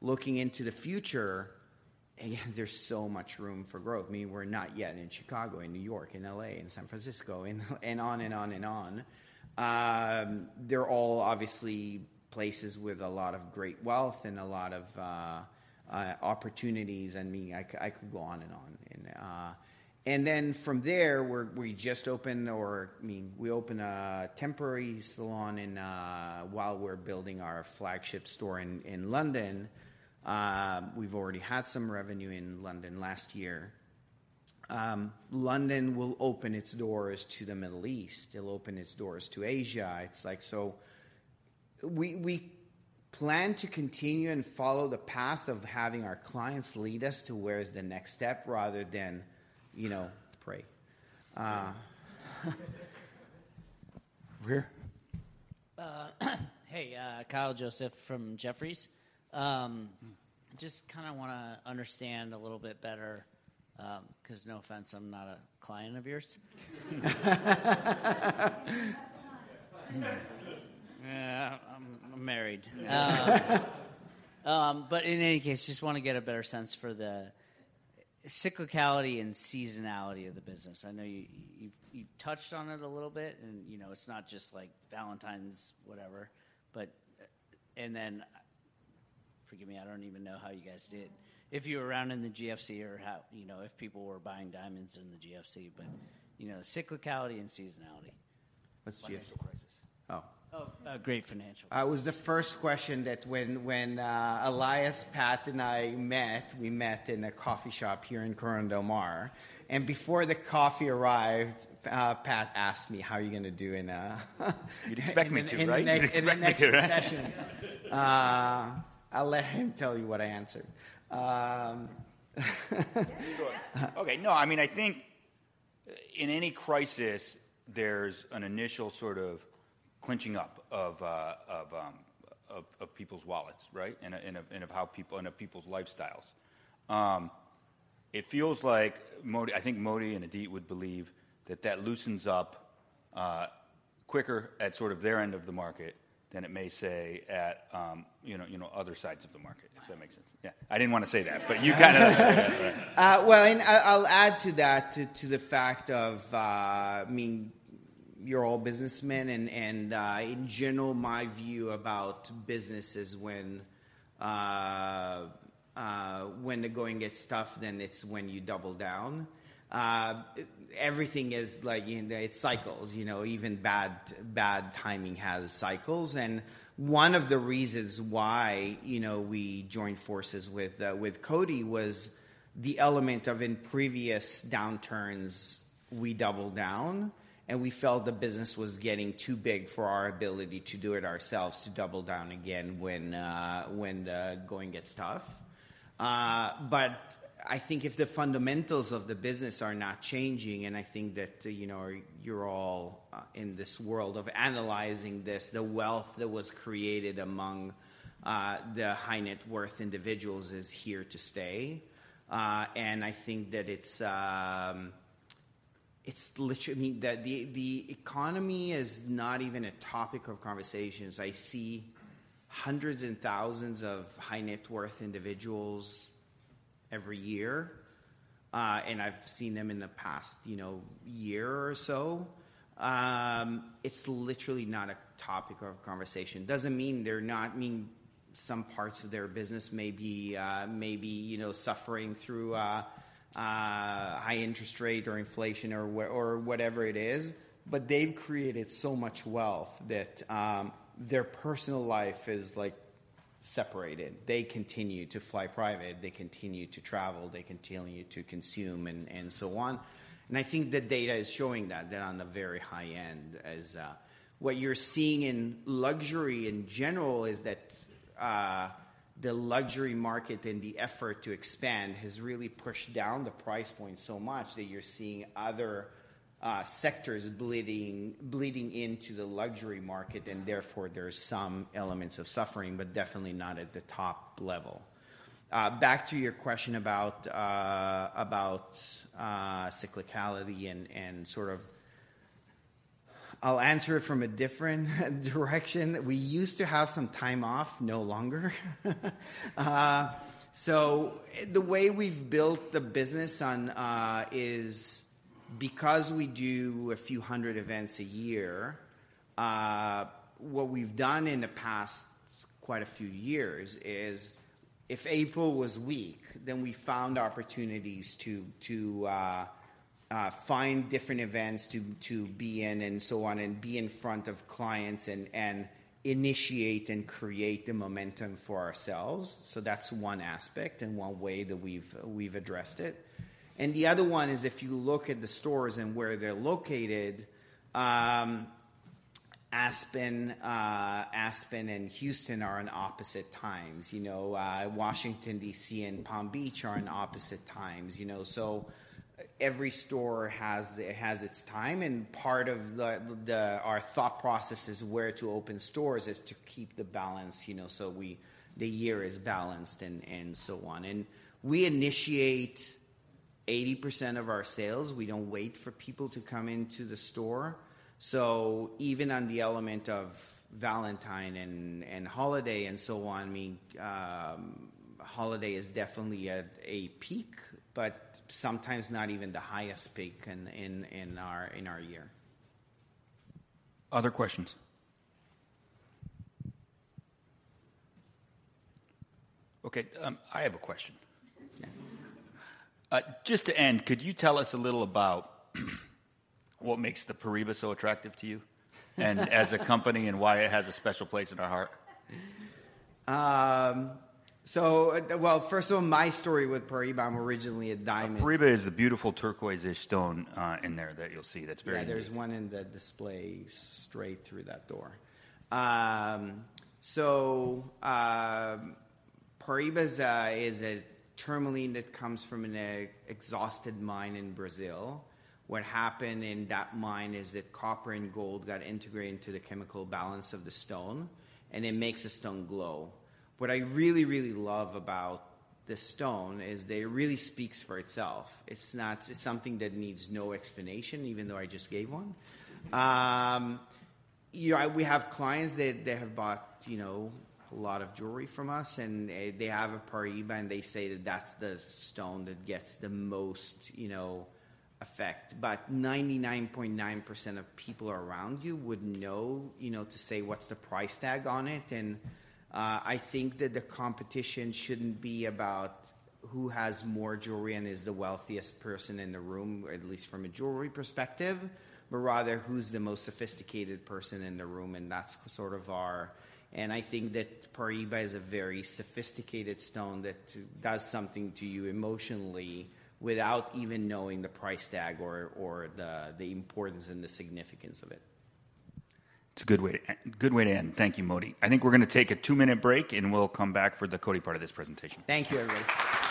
Looking into the future, again, there's so much room for growth. I mean, we're not yet in Chicago, in New York, in L.A., in San Francisco, and on and on and on. They're all obviously places with a lot of great wealth and a lot of opportunities, and me, I could go on and on. And then from there, we just opened or... I mean, we opened a temporary salon in, while we're building our flagship store in, in London. We've already had some revenue in London last year. London will open its doors to the Middle East. It'll open its doors to Asia. It's like, so we, we plan to continue and follow the path of having our clients lead us to where is the next step rather than, you know, pray. Where? Hey, Kyle Joseph from Jefferies. Just kinda wanna understand a little bit better, 'cause no offense, I'm not a client of yours. Yeah, I'm married. But in any case, just want to get a better sense for the cyclicality and seasonality of the business. I know you, you've touched on it a little bit, and, you know, it's not just, like, Valentine's, whatever. But... And then, forgive me, I don't even know how you guys did if you were around in the GFC or how, you know, if people were buying diamonds in the GFC, but, you know, cyclicality and seasonality. What's GFC? Financial Crisis. Oh. Oh, Great Financial- Was the first question that when Elias, Pat, and I met, we met in a coffee shop here in Corona del Mar. Before the coffee arrived, Pat asked me, "How are you gonna do in You'd expect me to, right? You'd expect me to, right? in the next recession? I'll let him tell you what I answered. Okay, no, I mean, I think in any crisis, there's an initial sort of clenching up of people's wallets, right? And of how people—and of people's lifestyles. It feels like Moti. I think Moti and Idit would believe that that loosens up quicker at sort of their end of the market than it may, say, at, you know, other sides of the market, if that makes sense. Yeah, I didn't wanna say that, but you gotta Well, and I'll add to that, to the fact of, I mean, you're all businessmen and, in general, my view about business is when the going gets tough, then it's when you double down. Everything is like in the, it cycles, you know, even bad, bad timing has cycles. And one of the reasons why, you know, we joined forces with Cody was the element of in previous downturns, we doubled down, and we felt the business was getting too big for our ability to do it ourselves, to double down again when the going gets tough. But I think if the fundamentals of the business are not changing, and I think that, you know, you're all in this world of analyzing this, the wealth that was created among the high-net-worth individuals is here to stay. And I think that it's literally that the economy is not even a topic of conversations. I see hundreds and thousands of high-net-worth individuals every year and I've seen them in the past, you know, year or so. It's literally not a topic of conversation. Doesn't mean they're not... I mean, some parts of their business may be, you know, suffering through high interest rate or inflation or whatever it is, but they've created so much wealth that their personal life is, like, separated. They continue to fly private, they continue to travel, they continue to consume, and, and so on. And I think the data is showing that, that on the very high end, as... What you're seeing in luxury in general is that, the luxury market and the effort to expand has really pushed down the price point so much that you're seeing other, sectors bleeding, bleeding into the luxury market, and therefore, there are some elements of suffering, but definitely not at the top level. Back to your question about, about, cyclicality and, and sort of... I'll answer it from a different direction. We used to have some time off, no longer. So the way we've built the business on is because we do a few hundred events a year, what we've done in the past quite a few years is if April was weak, then we found opportunities to find different events to be in and so on, and be in front of clients and initiate and create the momentum for ourselves. So that's one aspect and one way that we've addressed it. And the other one is if you look at the stores and where they're located, Aspen and Houston are in opposite times. You know, Washington, D.C., and Palm Beach are in opposite times, you know. So every store has its time, and part of the our thought process is where to open stores is to keep the balance, you know, so the year is balanced and so on. And we initiate 80% of our sales. We don't wait for people to come into the store. So even on the element of Valentine and holiday and so on, I mean, holiday is definitely at a peak, but sometimes not even the highest peak in our year. Other questions? Okay, I have a question. Just to end, could you tell us a little about what makes the Paraíba so attractive to you—and as a company, and why it has a special place in our heart? So, first of all, my story with Paraíba, I'm originally a diamond- Paraíba is the beautiful turquoise-ish stone, in there that you'll see that's very unique. Yeah, there's one in the display straight through that door. So, Paraíba is a tourmaline that comes from an exhausted mine in Brazil. What happened in that mine is that copper and gold got integrated into the chemical balance of the stone, and it makes the stone glow. What I really, really love about this stone is that it really speaks for itself. It's not. It's something that needs no explanation, even though I just gave one. You know, we have clients that have bought, you know, a lot of jewelry from us, and they have a Paraíba, and they say that that's the stone that gets the most, you know, effect. But 99.9% of people around you wouldn't know, you know, to say, what's the price tag on it? I think that the competition shouldn't be about who has more jewelry and is the wealthiest person in the room, at least from a jewelry perspective, but rather, who's the most sophisticated person in the room, and that's sort of our... I think that Paraíba is a very sophisticated stone that does something to you emotionally without even knowing the price tag or the importance and the significance of it. It's a good way to end, good way to end. Thank you, Moti. I think we're gonna take a two-minute break, and we'll come back for the Cody part of this presentation. Thank you, everybody. All right,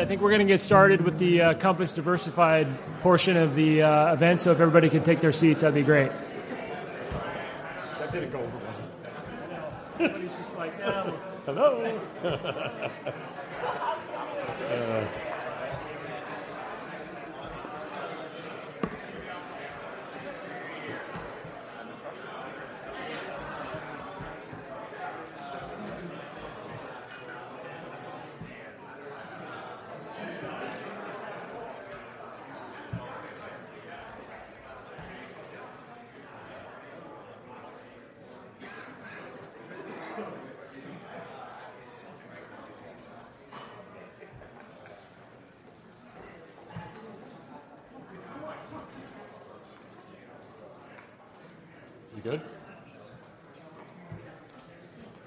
I think we're gonna get started with the Compass Diversified portion of the event. So if everybody could take their seats, that'd be great. That didn't go well. I know. He's just like, "Um- Hello! We good?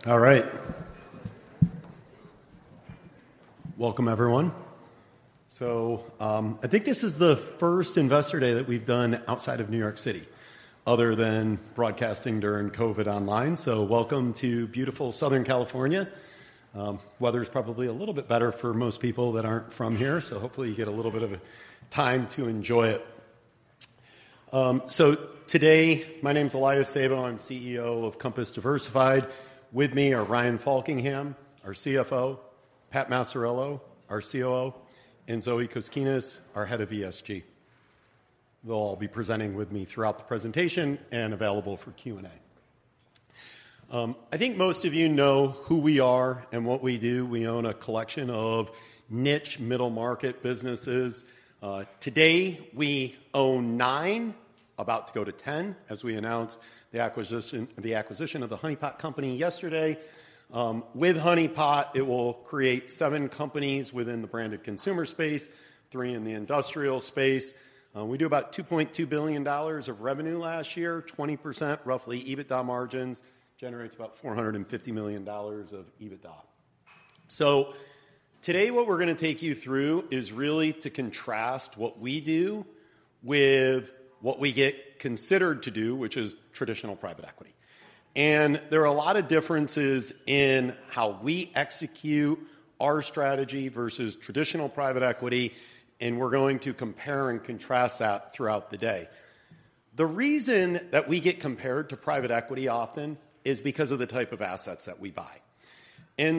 All right. Welcome, everyone. I think this is the first investor day that we've done outside of New York City, other than broadcasting during COVID online. Welcome to beautiful Southern California. Weather's probably a little bit better for most people that aren't from here, so hopefully you get a little bit of a time to enjoy it. Today, my name's Elias Sabo. I'm CEO of Compass Diversified. With me are Ryan Faulkingham, our CFO; Pat Maciariello, our COO; and Zoe Koskinas, our head of ESG. They'll all be presenting with me throughout the presentation and available for Q&A. I think most of you know who we are and what we do. We own a collection of niche middle-market businesses. Today we own nine, about to go to 10, as we announced the acquisition, the acquisition of the Honey Pot Company yesterday. With Honey Pot, it will create seven companies within the branded consumer space, three in the industrial space. We do about $2.2 billion of revenue last year, 20%, roughly, EBITDA margins, generates about $450 million of EBITDA. So today, what we're gonna take you through is really to contrast what we do with what we get considered to do, which is traditional private equity. There are a lot of differences in how we execute our strategy versus traditional private equity, and we're going to compare and contrast that throughout the day. The reason that we get compared to private equity often is because of the type of assets that we buy.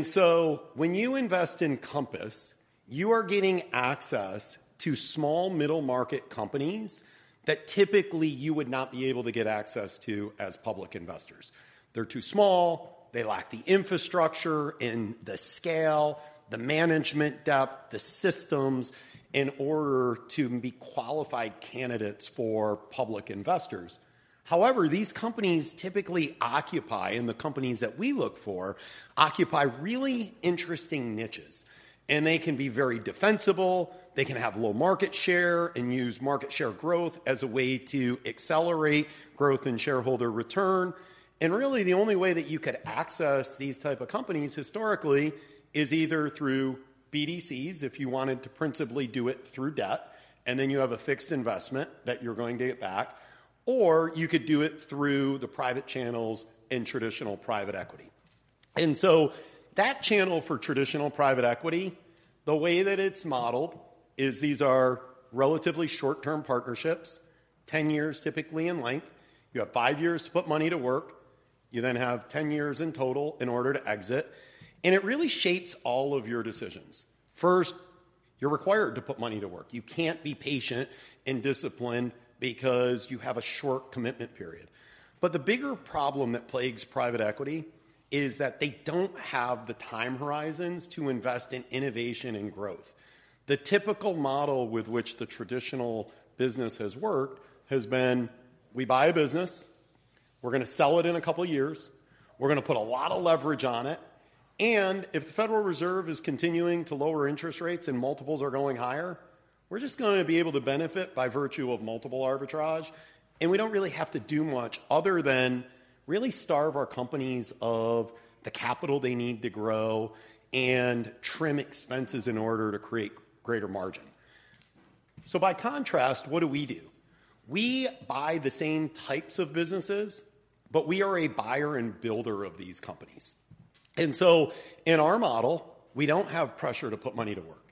So when you invest in Compass, you are getting access to small middle-market companies that typically you would not be able to get access to as public investors. They're too small, they lack the infrastructure and the scale, the management depth, the systems, in order to be qualified candidates for public investors. However, these companies typically occupy, and the companies that we look for, occupy really interesting niches, and they can be very defensible. They can have low market share and use market share growth as a way to accelerate growth and shareholder return. And really, the only way that you could access these type of companies historically is either through BDCs, if you wanted to principally do it through debt, and then you have a fixed investment that you're going to get back, or you could do it through the private channels and traditional private equity. And so that channel for traditional private equity, the way that it's modeled is these are relatively short-term partnerships, 10 years typically in length. You have five years to put money to work. You then have 10 years in total in order to exit, and it really shapes all of your decisions. First, you're required to put money to work. You can't be patient and disciplined because you have a short commitment period. But the bigger problem that plagues private equity is that they don't have the time horizons to invest in innovation and growth. The typical model with which the traditional business has worked has been, we buy a business, we're gonna sell it in a couple of years, we're gonna put a lot of leverage on it, and if the Federal Reserve is continuing to lower interest rates and multiples are going higher, we're just gonna be able to benefit by virtue of multiple arbitrage, and we don't really have to do much other than really starve our companies of the capital they need to grow and trim expenses in order to create greater margin. So by contrast, what do we do? We buy the same types of businesses, but we are a buyer and builder of these companies. And so in our model, we don't have pressure to put money to work.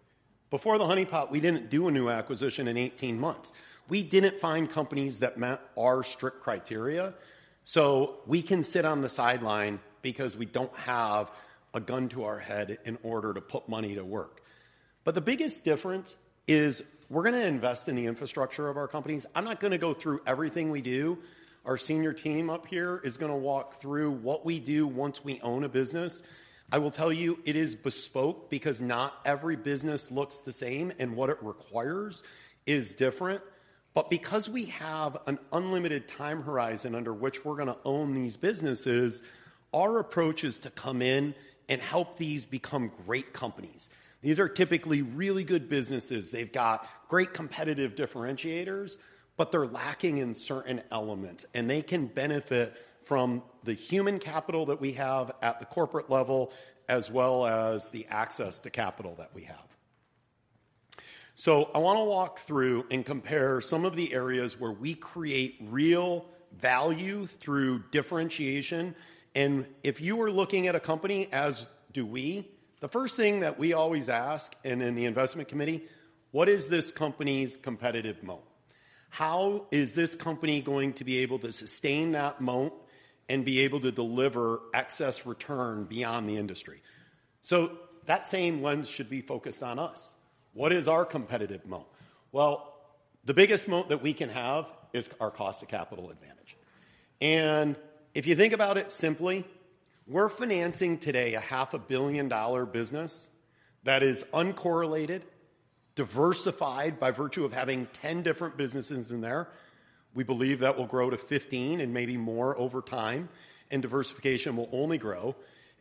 Before the Honey Pot, we didn't do a new acquisition in 18 months. We didn't find companies that met our strict criteria, so we can sit on the sideline because we don't have a gun to our head in order to put money to work... But the biggest difference is we're gonna invest in the infrastructure of our companies. I'm not gonna go through everything we do. Our senior team up here is gonna walk through what we do once we own a business. I will tell you it is bespoke because not every business looks the same, and what it requires is different. But because we have an unlimited time horizon under which we're gonna own these businesses, our approach is to come in and help these become great companies. These are typically really good businesses. They've got great competitive differentiators, but they're lacking in certain elements, and they can benefit from the human capital that we have at the corporate level, as well as the access to capital that we have. So I want to walk through and compare some of the areas where we create real value through differentiation. If you were looking at a company, as do we, the first thing that we always ask and in the investment committee, "What is this company's competitive moat? How is this company going to be able to sustain that moat and be able to deliver excess return beyond the industry?" So that same lens should be focused on us. What is our competitive moat? Well, the biggest moat that we can have is our cost of capital advantage. And if you think about it simply, we're financing today a $500 million business that is uncorrelated, diversified by virtue of having 10 different businesses in there. We believe that will grow to 15 and maybe more over time, and diversification will only grow.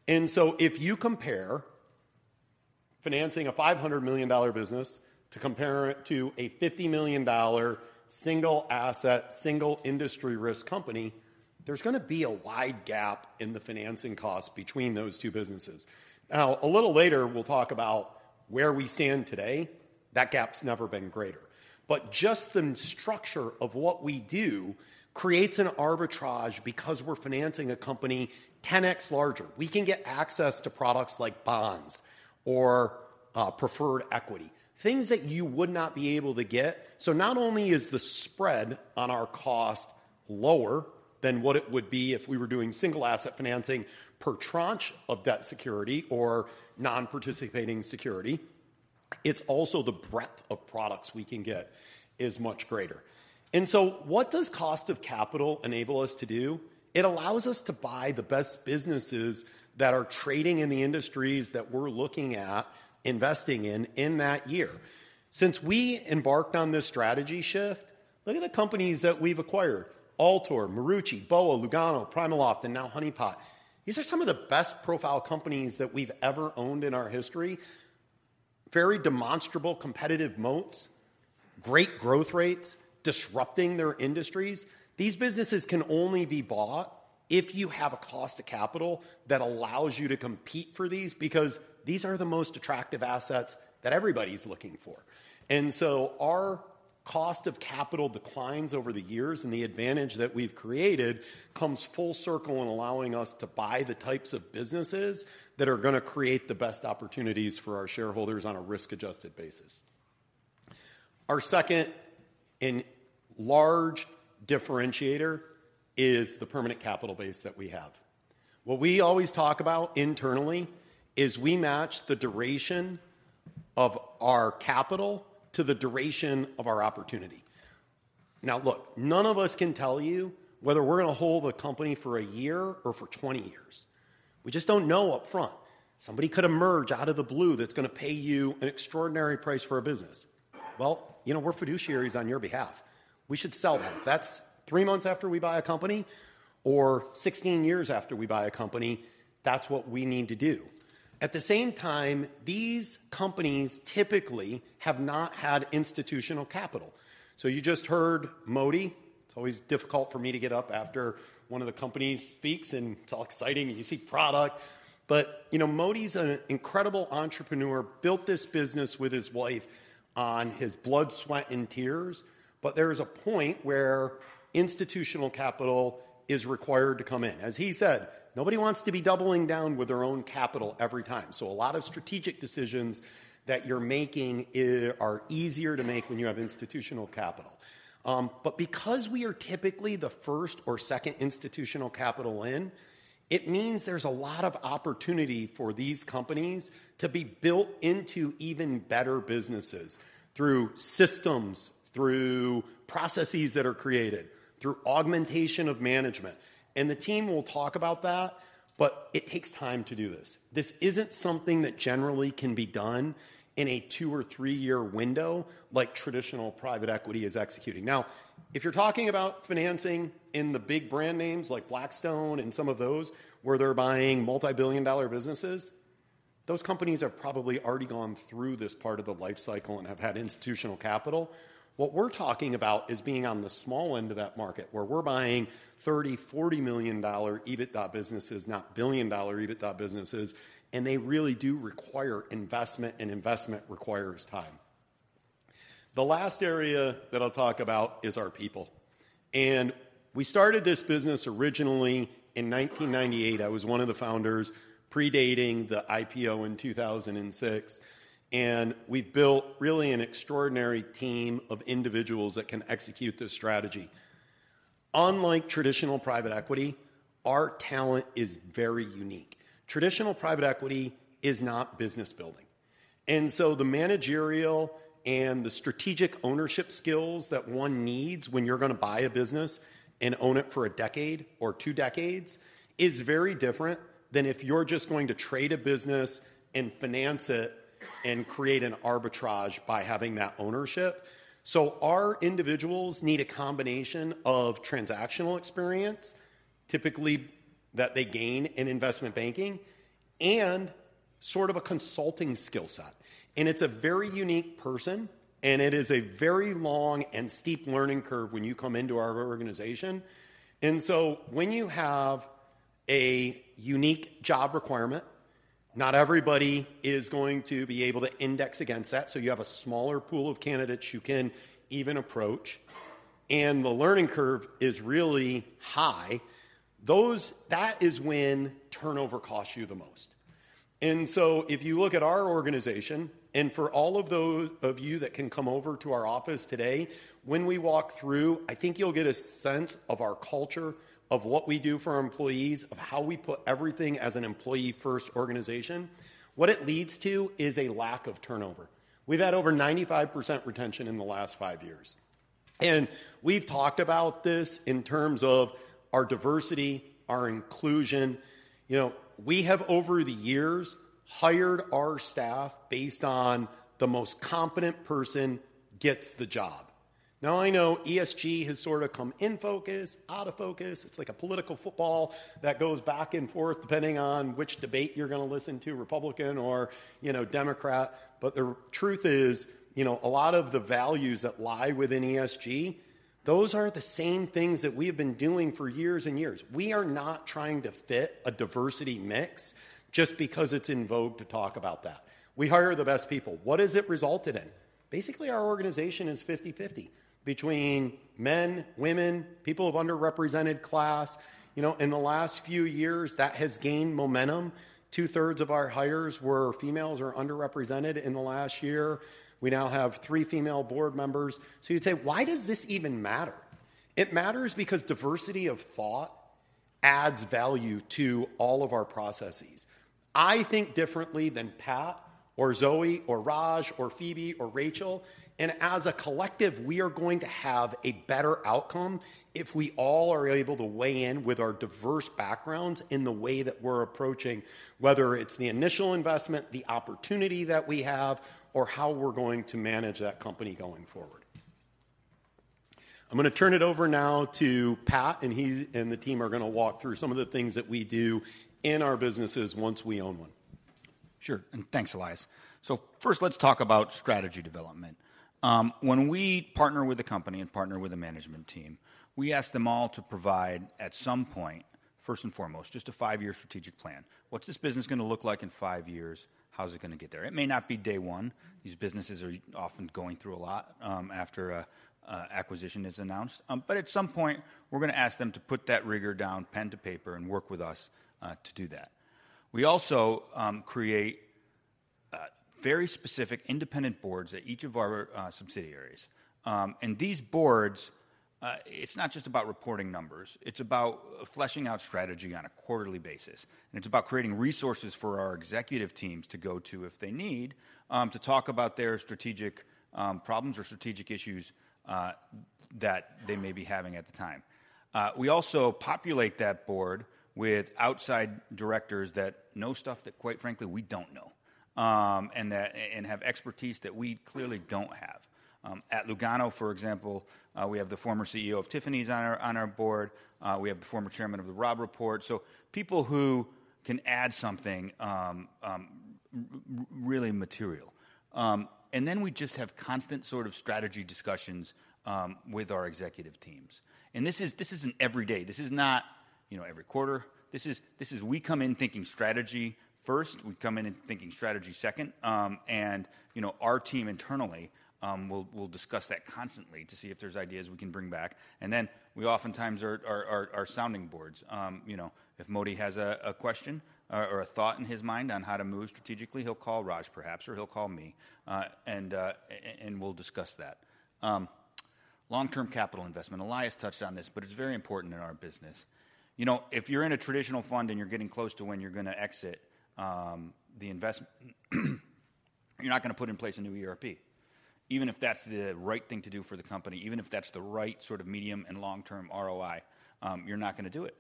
And so if you compare financing a $500 million business to compare it to a $50 million single asset, single industry risk company, there's gonna be a wide gap in the financing cost between those two businesses. Now, a little later, we'll talk about where we stand today. That gap's never been greater. But just the structure of what we do creates an arbitrage because we're financing a company 10x larger. We can get access to products like bonds or, preferred equity, things that you would not be able to get. So not only is the spread on our cost lower than what it would be if we were doing single-asset financing per tranche of debt security or non-participating security, it's also the breadth of products we can get is much greater. And so what does cost of capital enable us to do? It allows us to buy the best businesses that are trading in the industries that we're looking at investing in in that year. Since we embarked on this strategy shift, look at the companies that we've acquired: Altor, Marucci, BOA, Lugano, PrimaLoft, and now Honey Pot. These are some of the best profile companies that we've ever owned in our history. Very demonstrable, competitive moats, great growth rates, disrupting their industries. These businesses can only be bought if you have a cost of capital that allows you to compete for these, because these are the most attractive assets that everybody's looking for. And so our cost of capital declines over the years, and the advantage that we've created comes full circle in allowing us to buy the types of businesses that are gonna create the best opportunities for our shareholders on a risk-adjusted basis. Our second and large differentiator is the permanent capital base that we have. What we always talk about internally is we match the duration of our capital to the duration of our opportunity. Now, look, none of us can tell you whether we're gonna hold a company for a year or for 20 years. We just don't know upfront. Somebody could emerge out of the blue that's gonna pay you an extraordinary price for a business. Well, you know, we're fiduciaries on your behalf. We should sell that. That's three months after we buy a company or 16 years after we buy a company, that's what we need to do. At the same time, these companies typically have not had institutional capital. So you just heard Moti. It's always difficult for me to get up after one of the companies speaks, and it's all exciting, and you see product. But, you know, Moti's an incredible entrepreneur, built this business with his wife on his blood, sweat, and tears. But there is a point where institutional capital is required to come in. As he said, nobody wants to be doubling down with their own capital every time. So a lot of strategic decisions that you're making are easier to make when you have institutional capital. But because we are typically the first or second institutional capital in, it means there's a lot of opportunity for these companies to be built into even better businesses through systems, through processes that are created, through augmentation of management. And the team will talk about that, but it takes time to do this. This isn't something that generally can be done in a two- or three-year window, like traditional private equity is executing. Now, if you're talking about financing in the big brand names like Blackstone and some of those, where they're buying multi-billion dollar businesses, those companies have probably already gone through this part of the life cycle and have had institutional capital. What we're talking about is being on the small end of that market, where we're buying $30 million-$40 million EBITDA businesses, not billion-dollar EBITDA businesses, and they really do require investment, and investment requires time. The last area that I'll talk about is our people. We started this business originally in 1998. I was one of the founders, predating the IPO in 2006, and we've built really an extraordinary team of individuals that can execute this strategy... unlike traditional private equity, our talent is very unique. Traditional private equity is not business building, and so the managerial and the strategic ownership skills that one needs when you're going to buy a business and own it for a decade or two decades is very different than if you're just going to trade a business and finance it and create an arbitrage by having that ownership. Our individuals need a combination of transactional experience, typically that they gain in investment banking, and sort of a consulting skill set. It's a very unique person, and it is a very long and steep learning curve when you come into our organization. When you have a unique job requirement, not everybody is going to be able to index against that, so you have a smaller pool of candidates you can even approach, and the learning curve is really high. That is when turnover costs you the most. If you look at our organization, and for all of those of you that can come over to our office today, when we walk through, I think you'll get a sense of our culture, of what we do for our employees, of how we put everything as an employee-first organization. What it leads to is a lack of turnover. We've had over 95% retention in the last five years, and we've talked about this in terms of our diversity, our inclusion. You know, we have, over the years, hired our staff based on the most competent person gets the job. Now, I know ESG has sort of come in focus, out of focus. It's like a political football that goes back and forth, depending on which debate you're going to listen to, Republican or, you know, Democrat. But the truth is, you know, a lot of the values that lie within ESG, those are the same things that we have been doing for years and years. We are not trying to fit a diversity mix just because it's in vogue to talk about that. We hire the best people. What has it resulted in? Basically, our organization is 50/50 between men, women, people of underrepresented class. You know, in the last few years, that has gained momentum. Two-thirds of our hires were females or underrepresented in the last year. We now have three female board members. So you'd say: Why does this even matter? It matters because diversity of thought adds value to all of our processes. I think differently than Pat or Zoe or Raj or Phoebe or Rachel, and as a collective, we are going to have a better outcome if we all are able to weigh in with our diverse backgrounds in the way that we're approaching, whether it's the initial investment, the opportunity that we have, or how we're going to manage that company going forward. I'm going to turn it over now to Pat, and he and the team are going to walk through some of the things that we do in our businesses once we own one. Sure, and thanks, Elias. So first, let's talk about strategy development. When we partner with a company and partner with a management team, we ask them all to provide, at some point, first and foremost, just a five-year strategic plan. What's this business going to look like in five years? How's it going to get there? It may not be day one. These businesses are often going through a lot, after a acquisition is announced. But at some point, we're going to ask them to put that rigor down, pen to paper, and work with us, to do that. We also create very specific independent boards at each of our subsidiaries. And these boards, it's not just about reporting numbers. It's about fleshing out strategy on a quarterly basis, and it's about creating resources for our executive teams to go to if they need to talk about their strategic problems or strategic issues that they may be having at the time. We also populate that board with outside directors that know stuff that, quite frankly, we don't know, and that and have expertise that we clearly don't have. At Lugano, for example, we have the former CEO of Tiffany's on our board. We have the former chairman of the Robb Report. So people who can add something really material. And then we just have constant sort of strategy discussions with our executive teams, and this is an every day. This is not, you know, every quarter. This is, this is we come in thinking strategy first. We come in thinking strategy second, and, you know, our team internally, will discuss that constantly to see if there's ideas we can bring back. And then we oftentimes are sounding boards. You know, if Moti has a question or a thought in his mind on how to move strategically, he'll call Raj perhaps, or he'll call me, and we'll discuss that. Long-term capital investment. Elias touched on this, but it's very important in our business. You know, if you're in a traditional fund and you're getting close to when you're going to exit, you're not going to put in place a new ERP. Even if that's the right thing to do for the company, even if that's the right sort of medium- and long-term ROI, you're not going to do it,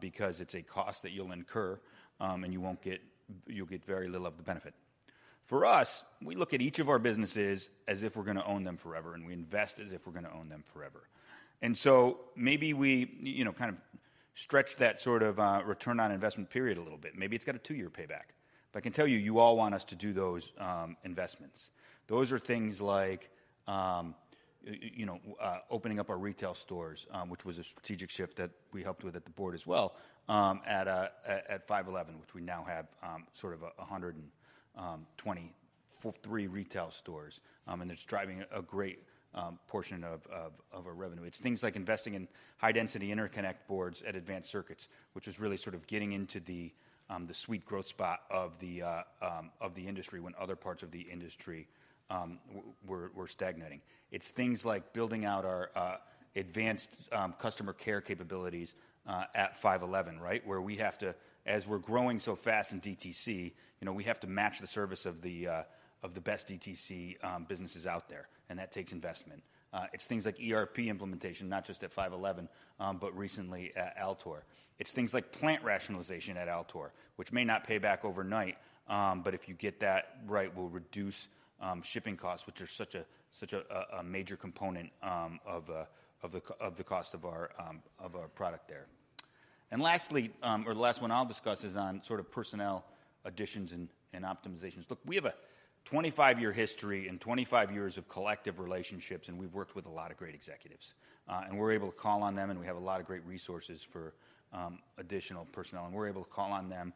because it's a cost that you'll incur, and you won't get-- you'll get very little of the benefit. For us, we look at each of our businesses as if we're going to own them forever, and we invest as if we're going to own them forever. And so maybe we, you know, kind of stretch that sort of, return on investment period a little bit. Maybe it's got a two-year payback. But I can tell you, you all want us to do those, investments. Those are things like, you know, opening up our retail stores, which was a strategic shift that we helped with at the board as well, at 5.11, which we now have sort of 123 retail stores. And it's driving a great portion of our revenue. It's things like investing in high-density interconnect boards at Advanced Circuits, which is really sort of getting into the sweet growth spot of the industry when other parts of the industry were stagnating. It's things like building out our advanced customer care capabilities at 5.11, right? Where we have to—as we're growing so fast in DTC, you know, we have to match the service of the best DTC businesses out there, and that takes investment. It's things like ERP implementation, not just at 5.11, but recently at Altor. It's things like plant rationalization at Altor, which may not pay back overnight, but if you get that right, will reduce shipping costs, which are such a major component of the cost of our product there. And lastly, or the last one I'll discuss is on sort of personnel additions and optimizations. Look, we have a 25-year history and 25 years of collective relationships, and we've worked with a lot of great executives. We're able to call on them, and we have a lot of great resources for additional personnel, and we're able to call on them,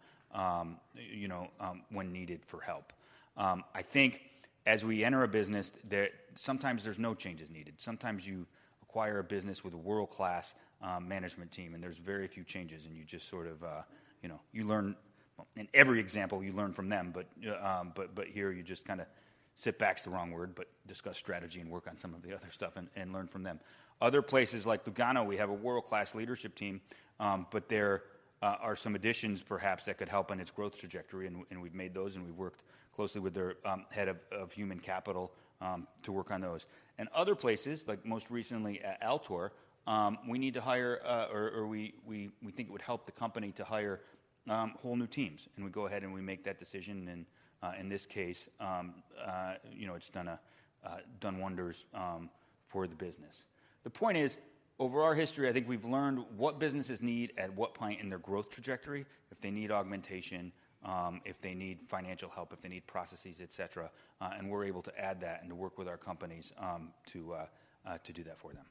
you know, when needed for help. I think as we enter a business, sometimes there's no changes needed. Sometimes you acquire a business with a world-class management team, and there's very few changes, and you just sort of, you know, you learn. In every example, you learn from them, but here you just kinda, sit back is the wrong word, but discuss strategy and work on some of the other stuff and learn from them. Other places, like Lugano, we have a world-class leadership team, but there are some additions perhaps that could help in its growth trajectory, and we've made those, and we've worked closely with their head of human capital to work on those. Other places, like most recently at Altor, we need to hire, or we think it would help the company to hire whole new teams, and we go ahead, and we make that decision, and in this case, you know, it's done wonders for the business. The point is, over our history, I think we've learned what businesses need at what point in their growth trajectory, if they need augmentation, if they need financial help, if they need processes, et cetera, and we're able to add that and to work with our companies, to do that for them.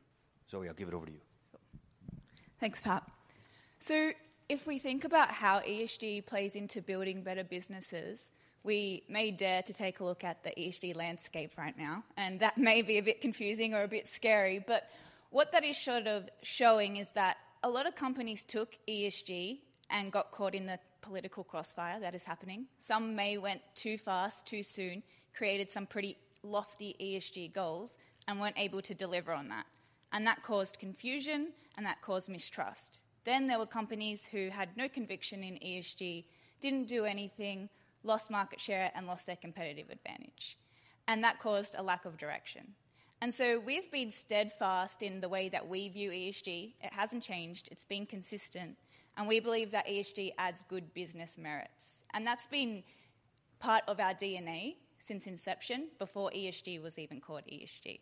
Zoe, I'll give it over to you. Thanks, Pat. So if we think about how ESG plays into building better businesses, we may dare to take a look at the ESG landscape right now, and that may be a bit confusing or a bit scary. But what that is sort of showing is that a lot of companies took ESG and got caught in the political crossfire that is happening. Some may went too fast, too soon, created some pretty lofty ESG goals and weren't able to deliver on that, and that caused confusion, and that caused mistrust. Then there were companies who had no conviction in ESG, didn't do anything, lost market share, and lost their competitive advantage, and that caused a lack of direction. And so we've been steadfast in the way that we view ESG. It hasn't changed. It's been consistent. We believe that ESG adds good business merits, and that's been part of our DNA since inception, before ESG was even called ESG.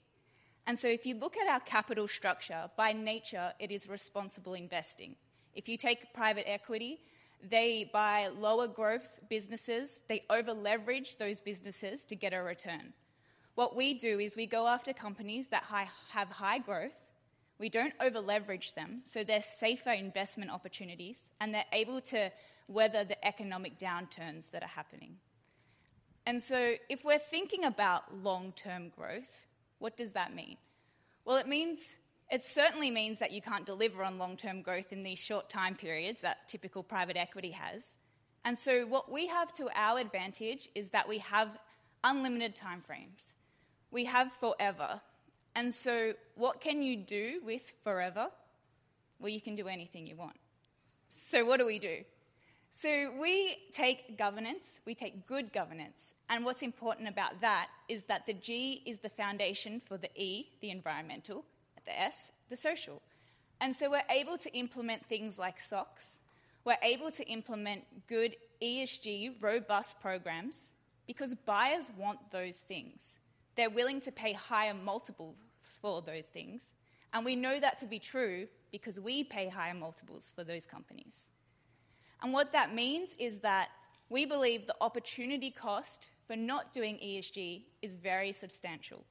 So if you look at our capital structure, by nature, it is responsible investing. If you take private equity, they buy lower growth businesses. They over-leverage those businesses to get a return. What we do is we go after companies that have high growth. We don't over-leverage them, so they're safer investment opportunities, and they're able to weather the economic downturns that are happening. So if we're thinking about long-term growth, what does that mean? Well, it means, it certainly means that you can't deliver on long-term growth in these short time periods that typical private equity has. So what we have to our advantage is that we have unlimited time frames. We have forever. And so what can you do with forever? Well, you can do anything you want. So what do we do? So we take governance, we take good governance, and what's important about that is that the G is the foundation for the E, the environmental, the S, the social. And so we're able to implement things like SOX. We're able to implement good ESG robust programs because buyers want those things. They're willing to pay higher multiples for those things, and we know that to be true because we pay higher multiples for those companies. And what that means is that we believe the opportunity cost for not doing ESG is very substantial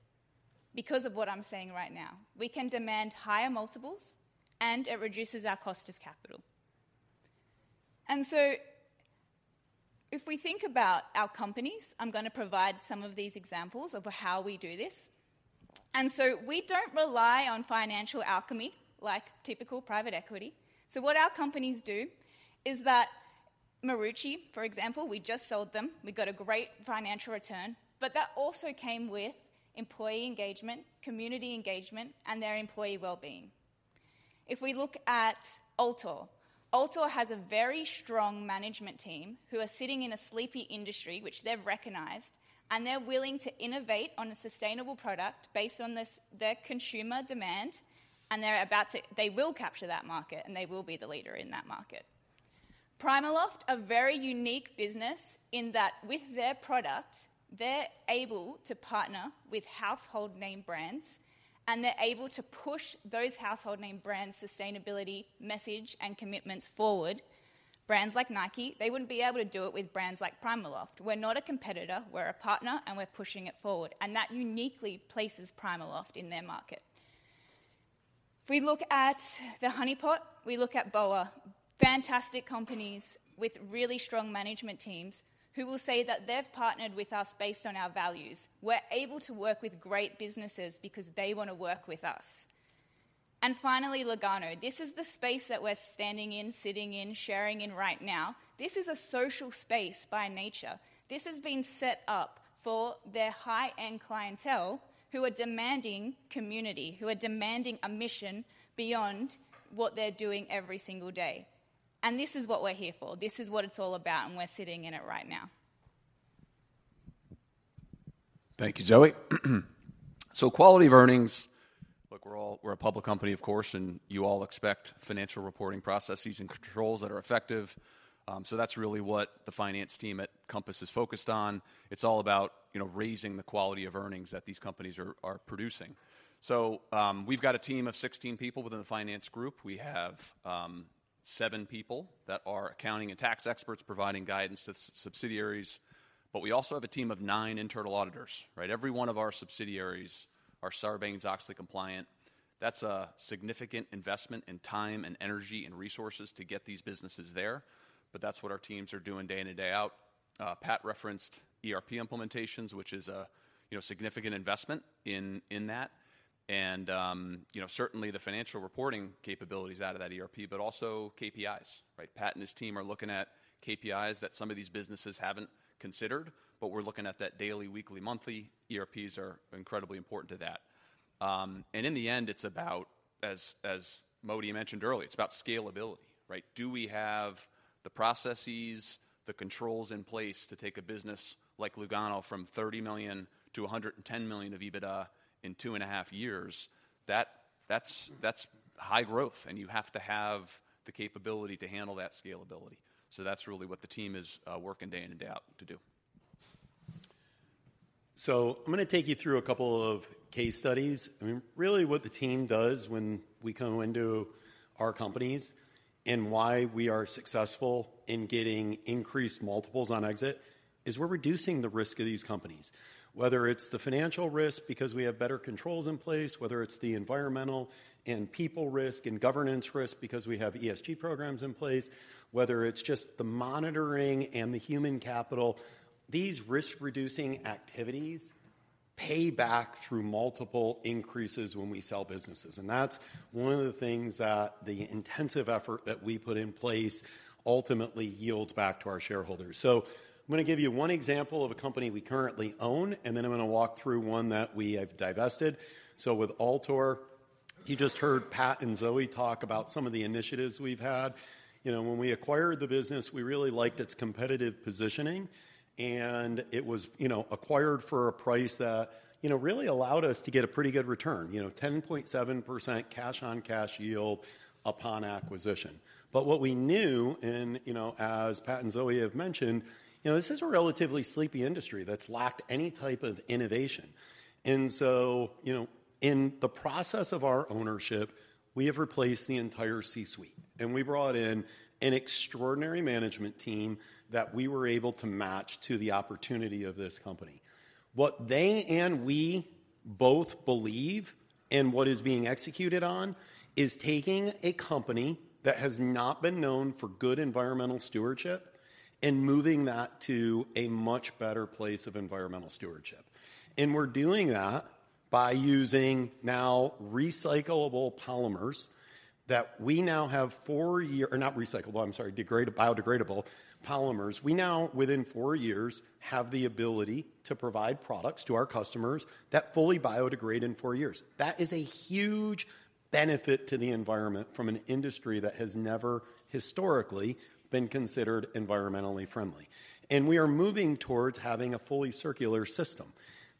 because of what I'm saying right now. We can demand higher multiples, and it reduces our cost of capital. And so if we think about our companies, I'm gonna provide some of these examples of how we do this. And so we don't rely on financial alchemy like typical private equity. So what our companies do is that Marucci, for example, we just sold them. We got a great financial return, but that also came with employee engagement, community engagement, and their employee well-being. If we look at Altor, Altor has a very strong management team who are sitting in a sleepy industry, which they've recognized, and they're willing to innovate on a sustainable product based on their consumer demand, and they're about to... they will capture that market, and they will be the leader in that market. PrimaLoft, a very unique business, in that with their product, they're able to partner with household name brands, and they're able to push those household name brands' sustainability message and commitments forward. Brands like Nike, they wouldn't be able to do it with brands like PrimaLoft. We're not a competitor, we're a partner, and we're pushing it forward, and that uniquely places PrimaLoft in their market.... If we look at The Honey Pot, we look at BOA, fantastic companies with really strong management teams who will say that they've partnered with us based on our values. We're able to work with great businesses because they want to work with us. And finally, Lugano. This is the space that we're standing in, sitting in, sharing in right now. This is a social space by nature. This has been set up for their high-end clientele who are demanding community, who are demanding a mission beyond what they're doing every single day. This is what we're here for. This is what it's all about, and we're sitting in it right now. Thank you, Zoe. So quality of earnings. Look, we're all. We're a public company, of course, and you all expect financial reporting processes and controls that are effective. So that's really what the finance team at Compass is focused on. It's all about, you know, raising the quality of earnings that these companies are producing. So, we've got a team of 16 people within the finance group. We have, seven people that are accounting and tax experts providing guidance to subsidiaries, but we also have a team of nine internal auditors, right? Every one of our subsidiaries are Sarbanes-Oxley compliant. That's a significant investment in time and energy and resources to get these businesses there, but that's what our teams are doing day in and day out. Pat referenced ERP implementations, which is a, you know, significant investment in that, and, you know, certainly the financial reporting capabilities out of that ERP, but also KPIs, right? Pat and his team are looking at KPIs that some of these businesses haven't considered, but we're looking at that daily, weekly, monthly. ERPs are incredibly important to that. And in the end, it's about, as Moti mentioned earlier, it's about scalability, right? Do we have the processes, the controls in place to take a business like Lugano from $30 million to $110 million of EBITDA in two and a half years? That's high growth, and you have to have the capability to handle that scalability. So that's really what the team is working day in and day out to do. So I'm going to take you through a couple of case studies. I mean, really what the team does when we come into our companies and why we are successful in getting increased multiples on exit, is we're reducing the risk of these companies. Whether it's the financial risk, because we have better controls in place, whether it's the environmental and people risk and governance risk, because we have ESG programs in place, whether it's just the monitoring and the human capital, these risk-reducing activities pay back through multiple increases when we sell businesses. And that's one of the things that the intensive effort that we put in place ultimately yields back to our shareholders. So I'm going to give you one example of a company we currently own, and then I'm going to walk through one that we have divested. So with Altor, you just heard Pat and Zoe talk about some of the initiatives we've had. You know, when we acquired the business, we really liked its competitive positioning, and it was, you know, acquired for a price that, you know, really allowed us to get a pretty good return. You know, 10.7% cash-on-cash yield upon acquisition. But what we knew, and, you know, as Pat and Zoe have mentioned, you know, this is a relatively sleepy industry that's lacked any type of innovation. And so, you know, in the process of our ownership, we have replaced the entire C-suite, and we brought in an extraordinary management team that we were able to match to the opportunity of this company. What they and we both believe, and what is being executed on, is taking a company that has not been known for good environmental stewardship and moving that to a much better place of environmental stewardship. We're doing that by using now recyclable polymers that we now have—or not recyclable, I'm sorry, degradable, biodegradable polymers. We now, within four years, have the ability to provide products to our customers that fully biodegrade in four years. That is a huge benefit to the environment from an industry that has never historically been considered environmentally friendly. We are moving towards having a fully circular system.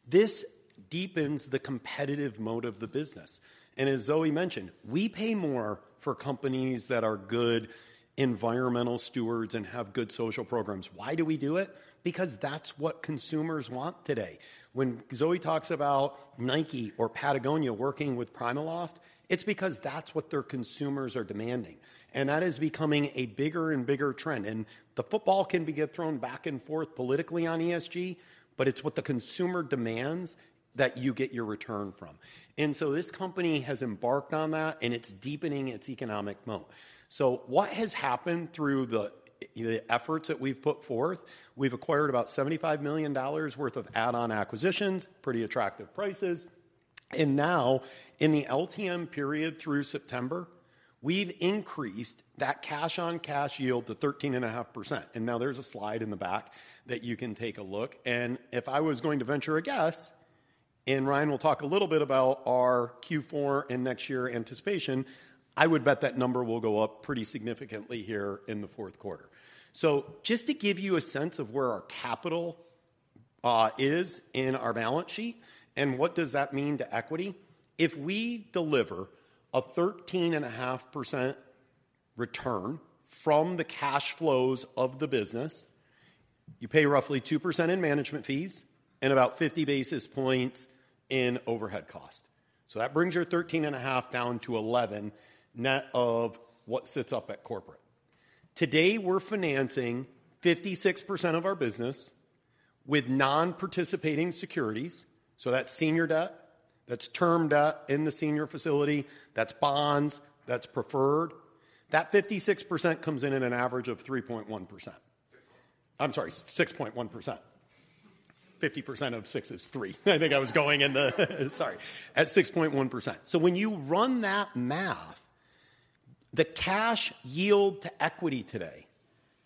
This deepens the competitive moat of the business. As Zoe mentioned, we pay more for companies that are good environmental stewards and have good social programs. Why do we do it? Because that's what consumers want today. When Zoe talks about Nike or Patagonia working with PrimaLoft, it's because that's what their consumers are demanding, and that is becoming a bigger and bigger trend. And the football can be get thrown back and forth politically on ESG, but it's what the consumer demands that you get your return from. And so this company has embarked on that, and it's deepening its economic moat. So what has happened through the efforts that we've put forth? We've acquired about $75 million worth of add-on acquisitions, pretty attractive prices. And now, in the LTM period through September, we've increased that cash-on-cash yield to 13.5%. And now there's a slide in the back that you can take a look. And if I was going to venture a guess, and Ryan will talk a little bit about our Q4 and next year anticipation, I would bet that number will go up pretty significantly here in the fourth quarter. So just to give you a sense of where our capital is in our balance sheet and what does that mean to equity, if we deliver a 13.5% return from the cash flows of the business, you pay roughly 2% in management fees and about 50 basis points in overhead cost. So that brings your 13.5 down to 11, net of what sits up at corporate. Today, we're financing 56% of our business with non-participating securities. So that's senior debt, that's term debt in the senior facility, that's bonds, that's preferred. That 56% comes in an average of 3.1%. I'm sorry, 6.1%. 50% of six is three. I think I was going in the— Sorry, at 6.1%. So when you run that math, the cash yield to equity today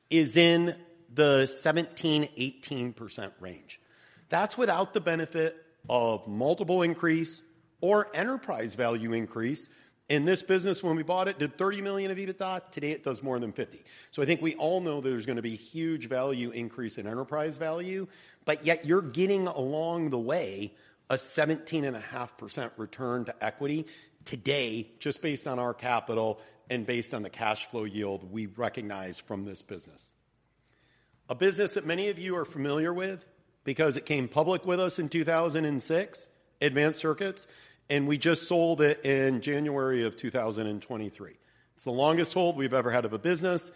is in the 17%-18% range. That's without the benefit of multiple increase or enterprise value increase. In this business, when we bought it, did $30 million of EBITDA. Today, it does more than $50 million. So I think we all know there's going to be huge value increase in enterprise value, but yet you're getting, along the way, a 17.5% return to equity today, just based on our capital and based on the cash flow yield we recognize from this business. A business that many of you are familiar with because it came public with us in 2006, Advanced Circuits, and we just sold it in January 2023. It's the longest hold we've ever had of a business,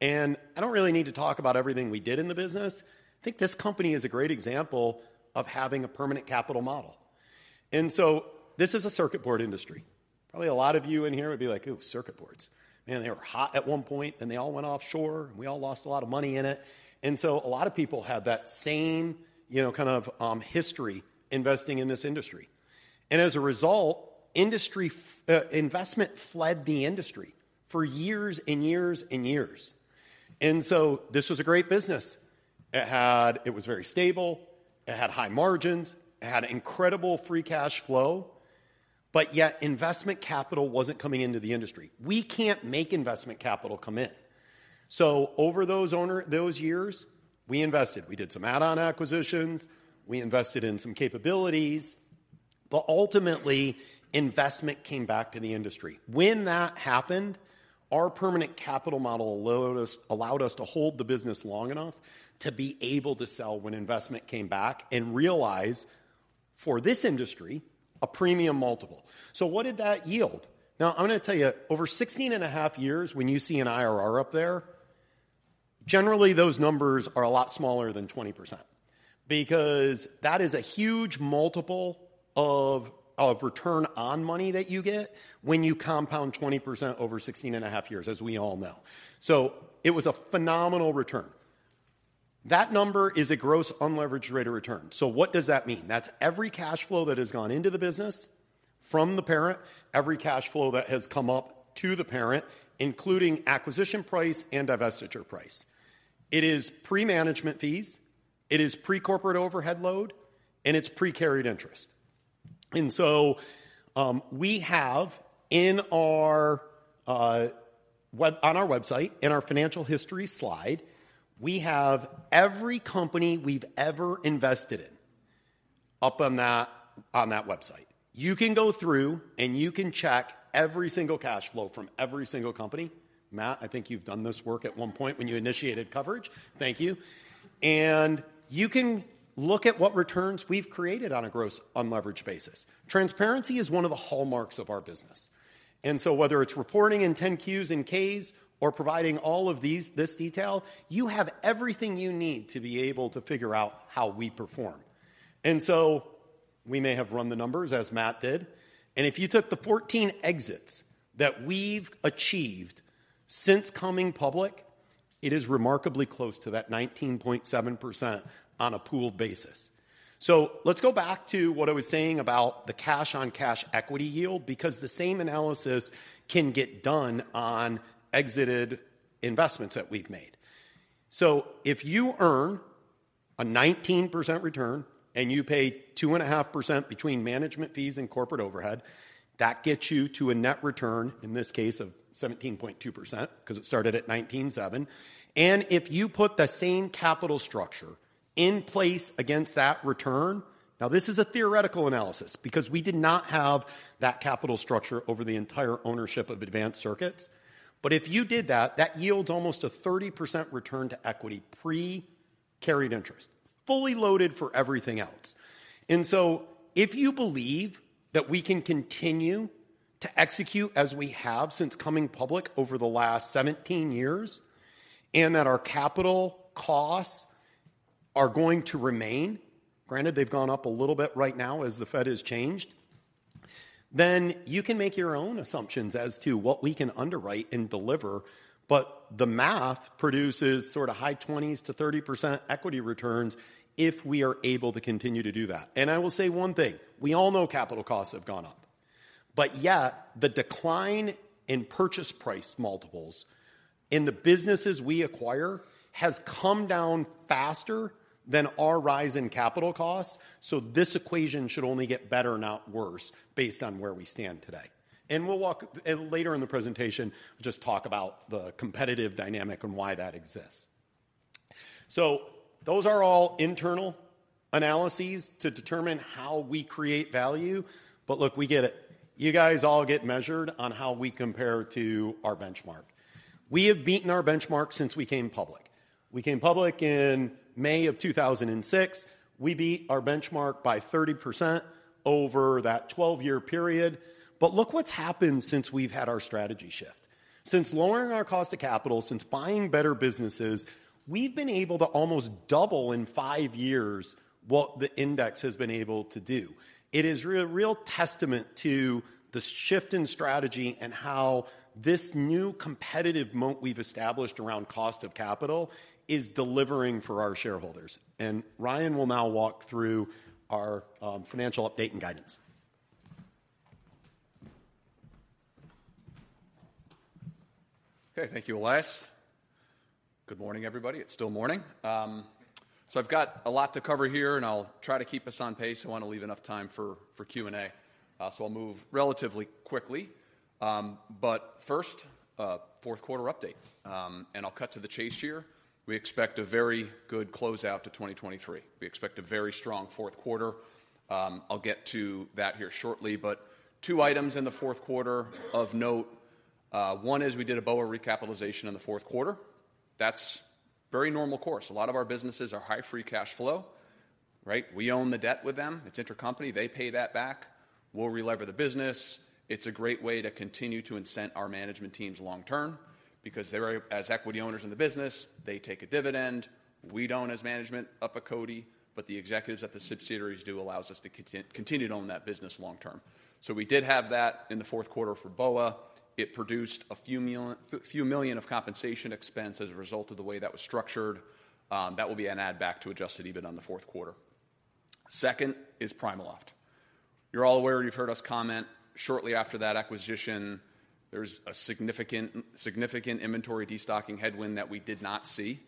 and I don't really need to talk about everything we did in the business. I think this company is a great example of having a permanent capital model. And so this is a circuit board industry. Probably a lot of you in here would be like, "Ooh, circuit boards. Man, they were hot at one point, then they all went offshore, and we all lost a lot of money in it." And so a lot of people have that same, you know, kind of history investing in this industry. As a result, industry investment fled the industry for years and years and years. So this was a great business. It had. It was very stable, it had high margins, it had incredible free cash flow, but yet investment capital wasn't coming into the industry. We can't make investment capital come in. So over those years, we invested. We did some add-on acquisitions, we invested in some capabilities, but ultimately, investment came back to the industry. When that happened, our permanent capital model allowed us, allowed us to hold the business long enough to be able to sell when investment came back and realize, for this industry, a premium multiple. So what did that yield? Now, I'm going to tell you, over 16.5 years, when you see an IRR up there, generally those numbers are a lot smaller than 20% because that is a huge multiple of, of return on money that you get when you compound 20% over 16.5 years, as we all know. So it was a phenomenal return. That number is a gross unleveraged rate of return. So what does that mean? That's every cash flow that has gone into the business from the parent, every cash flow that has come up to the parent, including acquisition price and divestiture price. It is pre-management fees, it is pre-corporate overhead load, and it's pre-carried interest. So, we have in our web, on our website, in our financial history slide, we have every company we've ever invested in up on that, on that website. You can go through, and you can check every single cash flow from every single company. Matt, I think you've done this work at one point when you initiated coverage. Thank you. You can look at what returns we've created on a gross unleveraged basis. Transparency is one of the hallmarks of our business, and so whether it's reporting in 10-Qs and 10-Ks or providing all of these, this detail, you have everything you need to be able to figure out how we perform. And so we may have run the numbers, as Matt did, and if you took the 14 exits that we've achieved since coming public, it is remarkably close to that 19.7% on a pooled basis. Let's go back to what I was saying about the cash-on-cash equity yield, because the same analysis can get done on exited investments that we've made. If you earn a 19% return and you pay 2.5% between management fees and corporate overhead, that gets you to a net return, in this case, of 17.2%, 'cause it started at 19.7. If you put the same capital structure in place against that return... Now, this is a theoretical analysis because we did not have that capital structure over the entire ownership of Advanced Circuits. But if you did that, that yields almost a 30% return to equity pre-carried interest, fully loaded for everything else. And so if you believe that we can continue to execute as we have since coming public over the last 17 years, and that our capital costs are going to remain, granted, they've gone up a little bit right now as the Fed has changed, then you can make your own assumptions as to what we can underwrite and deliver, but the math produces sort of high 20%-30% equity returns if we are able to continue to do that. And I will say one thing: We all know capital costs have gone up, but yet the decline in purchase price multiples in the businesses we acquire has come down faster than our rise in capital costs. So this equation should only get better, not worse, based on where we stand today. And we'll walk... Later in the presentation, just talk about the competitive dynamic and why that exists. So those are all internal analyses to determine how we create value. But look, we get it. You guys all get measured on how we compare to our benchmark. We have beaten our benchmark since we came public.... We came public in May of 2006. We beat our benchmark by 30% over that 12-year period. But look what's happened since we've had our strategy shift. Since lowering our cost of capital, since buying better businesses, we've been able to almost double in 5 years what the index has been able to do. It is a real testament to the shift in strategy and how this new competitive moat we've established around cost of capital is delivering for our shareholders. And Ryan will now walk through our financial update and guidance. Okay, thank you, Elias. Good morning, everybody. It's still morning. So I've got a lot to cover here, and I'll try to keep us on pace. I wanna leave enough time for, for Q&A, so I'll move relatively quickly. But first, fourth quarter update, and I'll cut to the chase here. We expect a very good closeout to 2023. We expect a very strong fourth quarter. I'll get to that here shortly, but two items in the fourth quarter of note. One is we did a BOA recapitalization in the fourth quarter. That's very normal course. A lot of our businesses are high free cash flow, right? We own the debt with them. It's intercompany. They pay that back. We'll relever the business. It's a great way to continue to incent our management teams long term because they're, as equity owners in the business, they take a dividend. We don't as management of CODI, but the executives at the subsidiaries do allows us to continue to own that business long term. So we did have that in the fourth quarter for BOA. It produced a few million of compensation expense as a result of the way that was structured. That will be an add back to adjusted EBITDA in the fourth quarter. Second is PrimaLoft. You're all aware, you've heard us comment, shortly after that acquisition, there's a significant, significant inventory destocking headwind that we did not see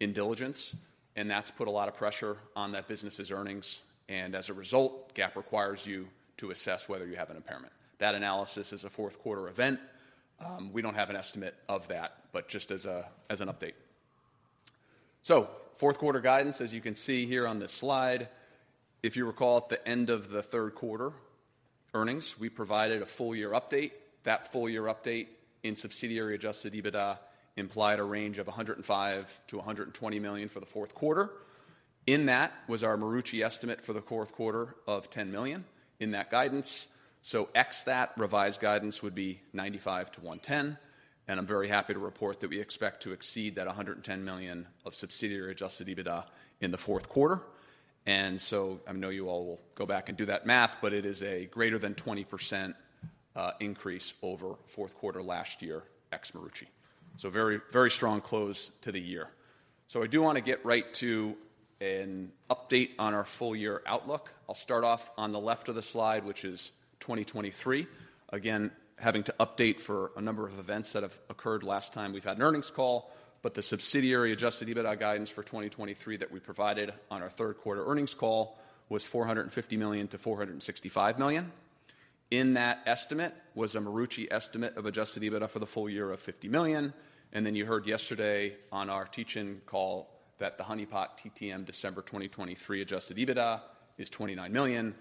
in diligence, and that's put a lot of pressure on that business's earnings, and as a result, GAAP requires you to assess whether you have an impairment. That analysis is a fourth quarter event. We don't have an estimate of that, but just as a, as an update. So fourth quarter guidance, as you can see here on this slide, if you recall, at the end of the third quarter earnings, we provided a full year update. That full year update in subsidiary adjusted EBITDA implied a range of $105 million-$120 million for the fourth quarter. In that was our Marucci estimate for the fourth quarter of $10 million in that guidance. So ex that, revised guidance would be $95 million-$110 million, and I'm very happy to report that we expect to exceed that $110 million of subsidiary adjusted EBITDA in the fourth quarter. I know you all will go back and do that math, but it is a greater than 20%, increase over fourth quarter last year, ex Marucci. Very, very strong close to the year. I do wanna get right to an update on our full year outlook. I'll start off on the left of the slide, which is 2023. Again, having to update for a number of events that have occurred last time we've had an earnings call, but the subsidiary adjusted EBITDA guidance for 2023 that we provided on our third quarter earnings call was $450 million-$465 million. In that estimate was a Marucci estimate of adjusted EBITDA for the full year of $50 million, and then you heard yesterday on our teach-in call that the Honey Pot TTM December 2023 adjusted EBITDA is $29 million.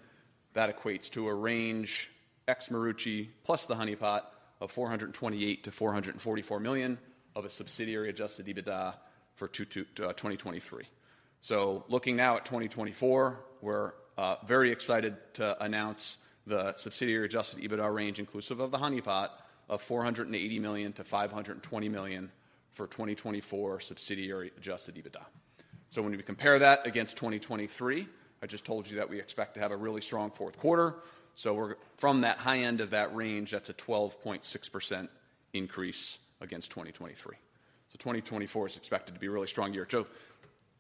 That equates to a range, ex Marucci plus the Honey Pot, of $428 million-$444 million of a subsidiary adjusted EBITDA for 2023. So looking now at 2024, we're very excited to announce the subsidiary adjusted EBITDA range, inclusive of the Honey Pot, of $480 million-$520 million for 2024 subsidiary adjusted EBITDA. So when we compare that against 2023, I just told you that we expect to have a really strong fourth quarter. So we're... From that high end of that range, that's a 12.6% increase against 2023. 2024 is expected to be a really strong year. To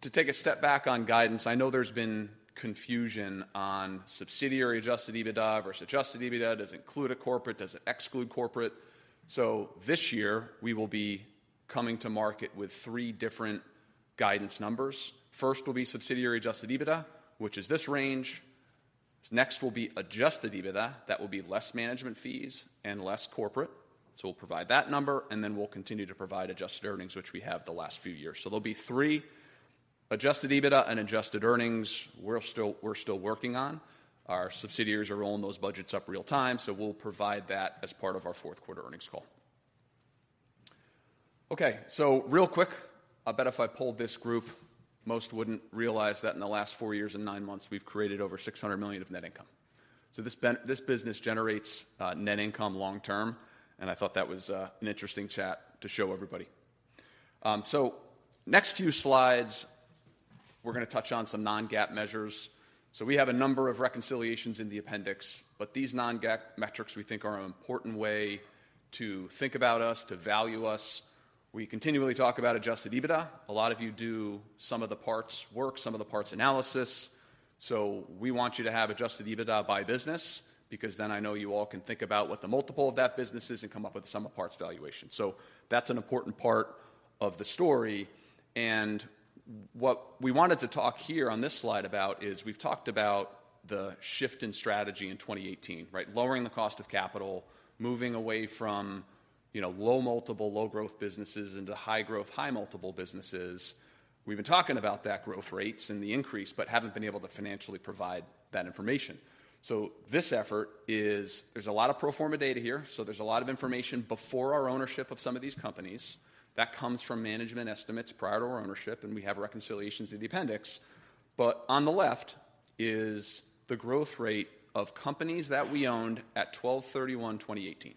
take a step back on guidance, I know there's been confusion on subsidiary adjusted EBITDA versus adjusted EBITDA. Does it include a corporate? Does it exclude corporate? So this year, we will be coming to market with three different guidance numbers. First will be subsidiary adjusted EBITDA, which is this range. Next will be adjusted EBITDA. That will be less management fees and less corporate. So we'll provide that number, and then we'll continue to provide adjusted earnings, which we have the last few years. So there'll be three: adjusted EBITDA and adjusted earnings, we're still working on. Our subsidiaries are rolling those budgets up real time, so we'll provide that as part of our fourth quarter earnings call. Okay, so real quick, I'll bet if I polled this group, most wouldn't realize that in the last four years and nine months, we've created over $600 million of net income. So this business generates net income long term, and I thought that was an interesting chat to show everybody. So next few slides, we're gonna touch on some non-GAAP measures. So we have a number of reconciliations in the appendix, but these non-GAAP metrics we think are an important way to think about us, to value us. We continually talk about adjusted EBITDA. A lot of you do some of the parts work, some of the parts analysis. So we want you to have adjusted EBITDA by business, because then I know you all can think about what the multiple of that business is and come up with a sum of parts valuation. So that's an important part of the story, and what we wanted to talk here on this slide about is, we've talked about the shift in strategy in 2018, right? Lowering the cost of capital, moving away from, you know, low multiple, low growth businesses into high growth, high multiple businesses. We've been talking about that growth rates and the increase, but haven't been able to financially provide that information. So this effort is, there's a lot of pro forma data here, so there's a lot of information before our ownership of some of these companies. That comes from management estimates prior to our ownership, and we have reconciliations in the appendix. But on the left is the growth rate of companies that we owned at 12/31/2018.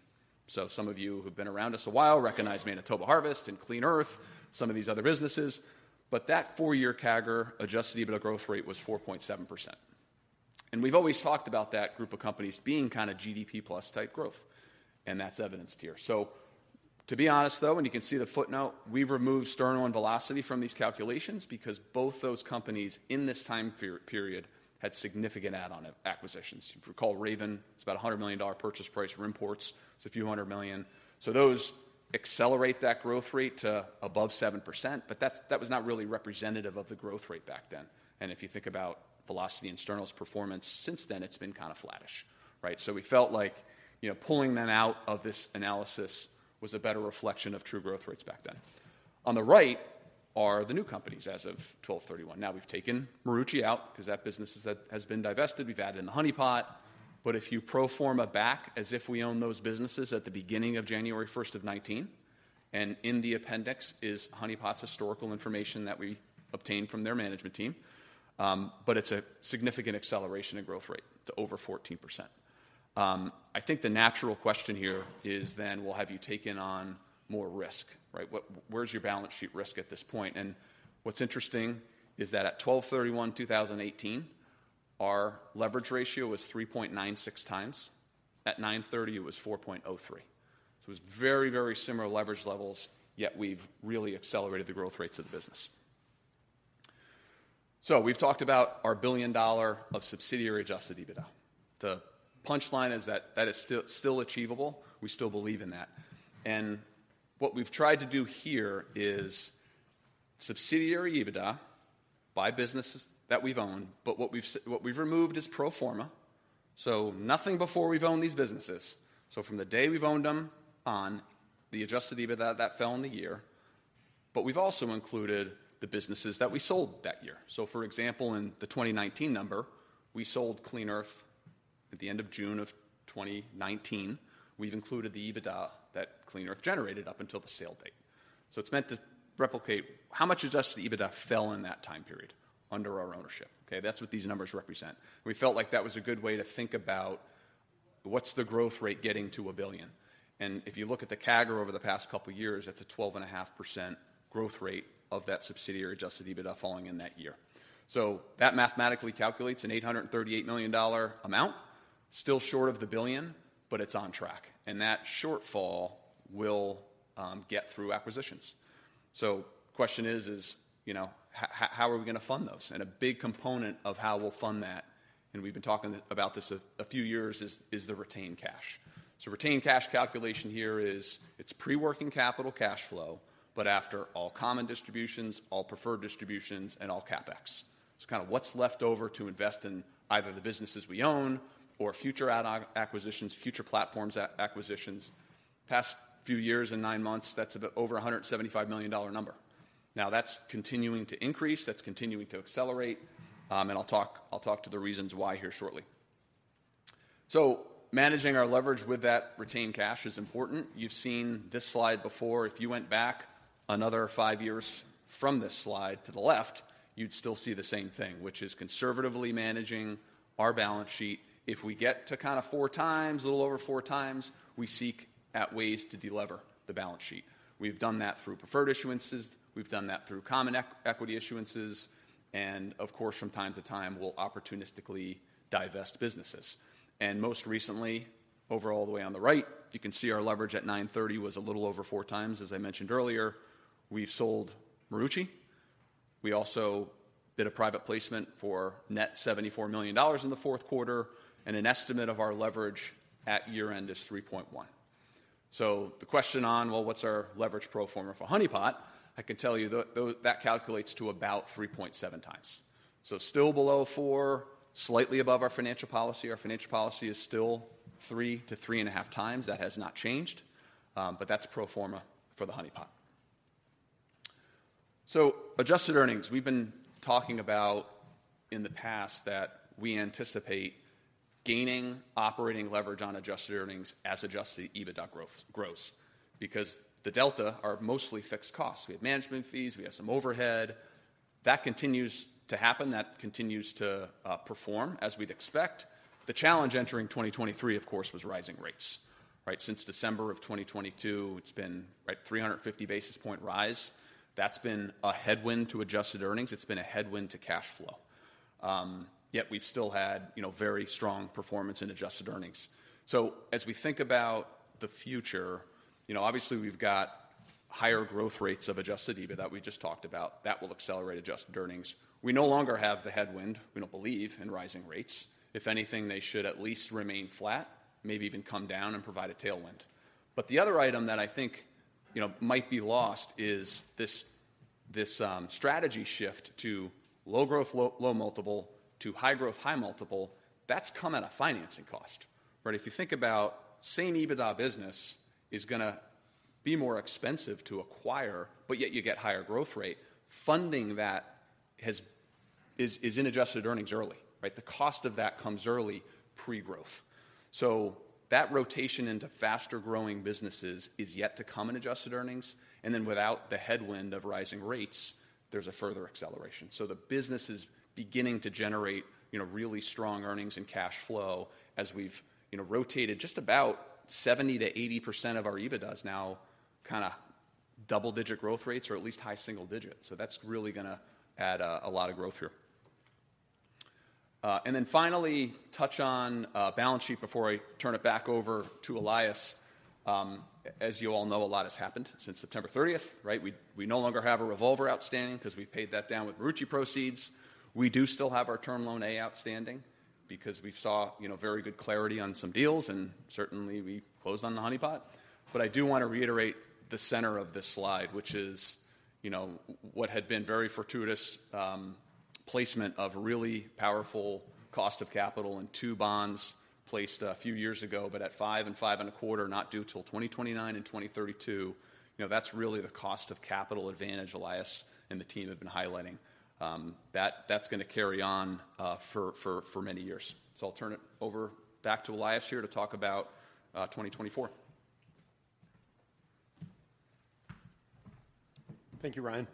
So some of you who've been around us a while recognize Manitoba Harvest and Clean Earth, some of these other businesses. But that four-year CAGR, adjusted EBITDA growth rate, was 4.7%. And we've always talked about that group of companies being kinda GDP plus type growth, and that's evidenced here. So to be honest, though, and you can see the footnote, we've removed Sterno and Velocity from these calculations because both those companies, in this time period, had significant add-on acquisitions. If you recall, Raven, it's about a $100 million purchase price, Rimports, it's a few hundred million. So those accelerate that growth rate to above 7%, but that was not really representative of the growth rate back then. And if you think about Velocity and Sterno's performance since then, it's been kinda flattish, right? So we felt like, you know, pulling them out of this analysis was a better reflection of true growth rates back then. On the right are the new companies as of 12/31. Now, we've taken Marucci out 'cause that business is, that has been divested. We've added in The Honey Pot. But if you pro forma back as if we own those businesses at the beginning of January 1, 2019, and in the appendix is Honey Pot's historical information that we obtained from their management team, but it's a significant acceleration in growth rate to over 14%. I think the natural question here is then, Well, have you taken on more risk, right? What, where's your balance sheet risk at this point? And what's interesting is that at 12/31/2018, our leverage ratio was 3.96x. At 9:30, it was 4.03. So it's very, very similar leverage levels, yet we've really accelerated the growth rates of the business. So we've talked about our $1 billion of subsidiary adjusted EBITDA. The punchline is that that is still, still achievable. We still believe in that. And what we've tried to do here is subsidiary EBITDA by businesses that we've owned, but what we've removed is pro forma, so nothing before we've owned these businesses. So from the day we've owned them on, the adjusted EBITDA, that fell in the year, but we've also included the businesses that we sold that year. So for example, in the 2019 number, we sold Clean Earth at the end of June of 2019. We've included the EBITDA that Clean Earth generated up until the sale date. So it's meant to replicate how much adjusted EBITDA fell in that time period under our ownership, okay? That's what these numbers represent. We felt like that was a good way to think about what's the growth rate getting to a $1 billion. And if you look at the CAGR over the past couple of years, it's a 12.5% growth rate of that subsidiary adjusted EBITDA falling in that year. So that mathematically calculates an $838 million amount, still short of the $1 billion, but it's on track, and that shortfall we'll get through acquisitions. So the question is, you know, how are we gonna fund those? And a big component of how we'll fund that, and we've been talking about this a few years, is the retained cash. So retained cash calculation here is it's pre-working capital cash flow, but after all common distributions, all preferred distributions, and all CapEx. It's kinda what's left over to invest in either the businesses we own or future acquisitions, future platforms acquisitions. Past few years and nine months, that's about over $175 million. Now, that's continuing to increase, that's continuing to accelerate, and I'll talk to the reasons why here shortly. So managing our leverage with that retained cash is important. You've seen this slide before. If you went back another five years from this slide to the left, you'd still see the same thing, which is conservatively managing our balance sheet. If we get to kinda 4x, a little over four times, we seek at ways to delever the balance sheet. We've done that through preferred issuances, we've done that through common equity issuances, and of course, from time to time, we'll opportunistically divest businesses. Most recently, over all the way on the right, you can see our leverage at 9/30 was a little over four times, as I mentioned earlier. We've sold Marucci. We also did a private placement for net $74 million in the fourth quarter, and an estimate of our leverage at year-end is 3.1. So the question on, well, what's our leverage pro forma for Honey Pot? I can tell you though that calculates to about 3.7x. So still below four, slightly above our financial policy. Our financial policy is still 3x-3.5x. That has not changed, but that's pro forma for The Honey Pot. Adjusted earnings, we've been talking about in the past that we anticipate gaining operating leverage on adjusted earnings as adjusted EBITDA growth gross because the delta are mostly fixed costs. We have management fees, we have some overhead. That continues to happen, that continues to perform as we'd expect. The challenge entering 2023, of course, was rising rates, right? Since December of 2022, it's been, right, 350 basis point rise. That's been a headwind to adjusted earnings. It's been a headwind to cash flow. Yet we've still had, you know, very strong performance in adjusted earnings. So as we think about the future, you know, obviously, we've got higher growth rates of adjusted EBITDA that we just talked about. That will accelerate adjusted earnings. We no longer have the headwind. We don't believe in rising rates. If anything, they should at least remain flat, maybe even come down and provide a tailwind. But the other item that I think, you know, might be lost is this strategy shift to low growth, low multiple, to high growth, high multiple, that's come at a financing cost. But if you think about same EBITDA business is going to be more expensive to acquire, but yet you get higher growth rate, funding that is in adjusted earnings early, right? The cost of that comes early, pre-growth. So that rotation into faster growing businesses is yet to come in adjusted earnings, and then without the headwind of rising rates, there's a further acceleration. So the business is beginning to generate, you know, really strong earnings and cash flow as we've, you know, rotated just about 70%-80% of our EBITDAs now, kinda double-digit growth rates or at least high single digits. So that's really gonna add a lot of growth here. And then finally, touch on balance sheet before I turn it back over to Elias. As you all know, a lot has happened since September thirtieth, right? We no longer have a revolver outstanding 'cause we paid that down with Marucci proceeds. We do still have our Term Loan A outstanding because we saw, you know, very good clarity on some deals, and certainly we closed on the Honey Pot. But I do want to reiterate the center of this slide, which is, you know, what had been very fortuitous placement of really powerful cost of capital and two bonds placed a few years ago, but at five and 5.25, not due till 2029 and 2032. You know, that's really the cost of capital advantage Elias and the team have been highlighting. That, that's gonna carry on for many years. So I'll turn it over back to Elias here to talk about 2024. Thank you, Ryan.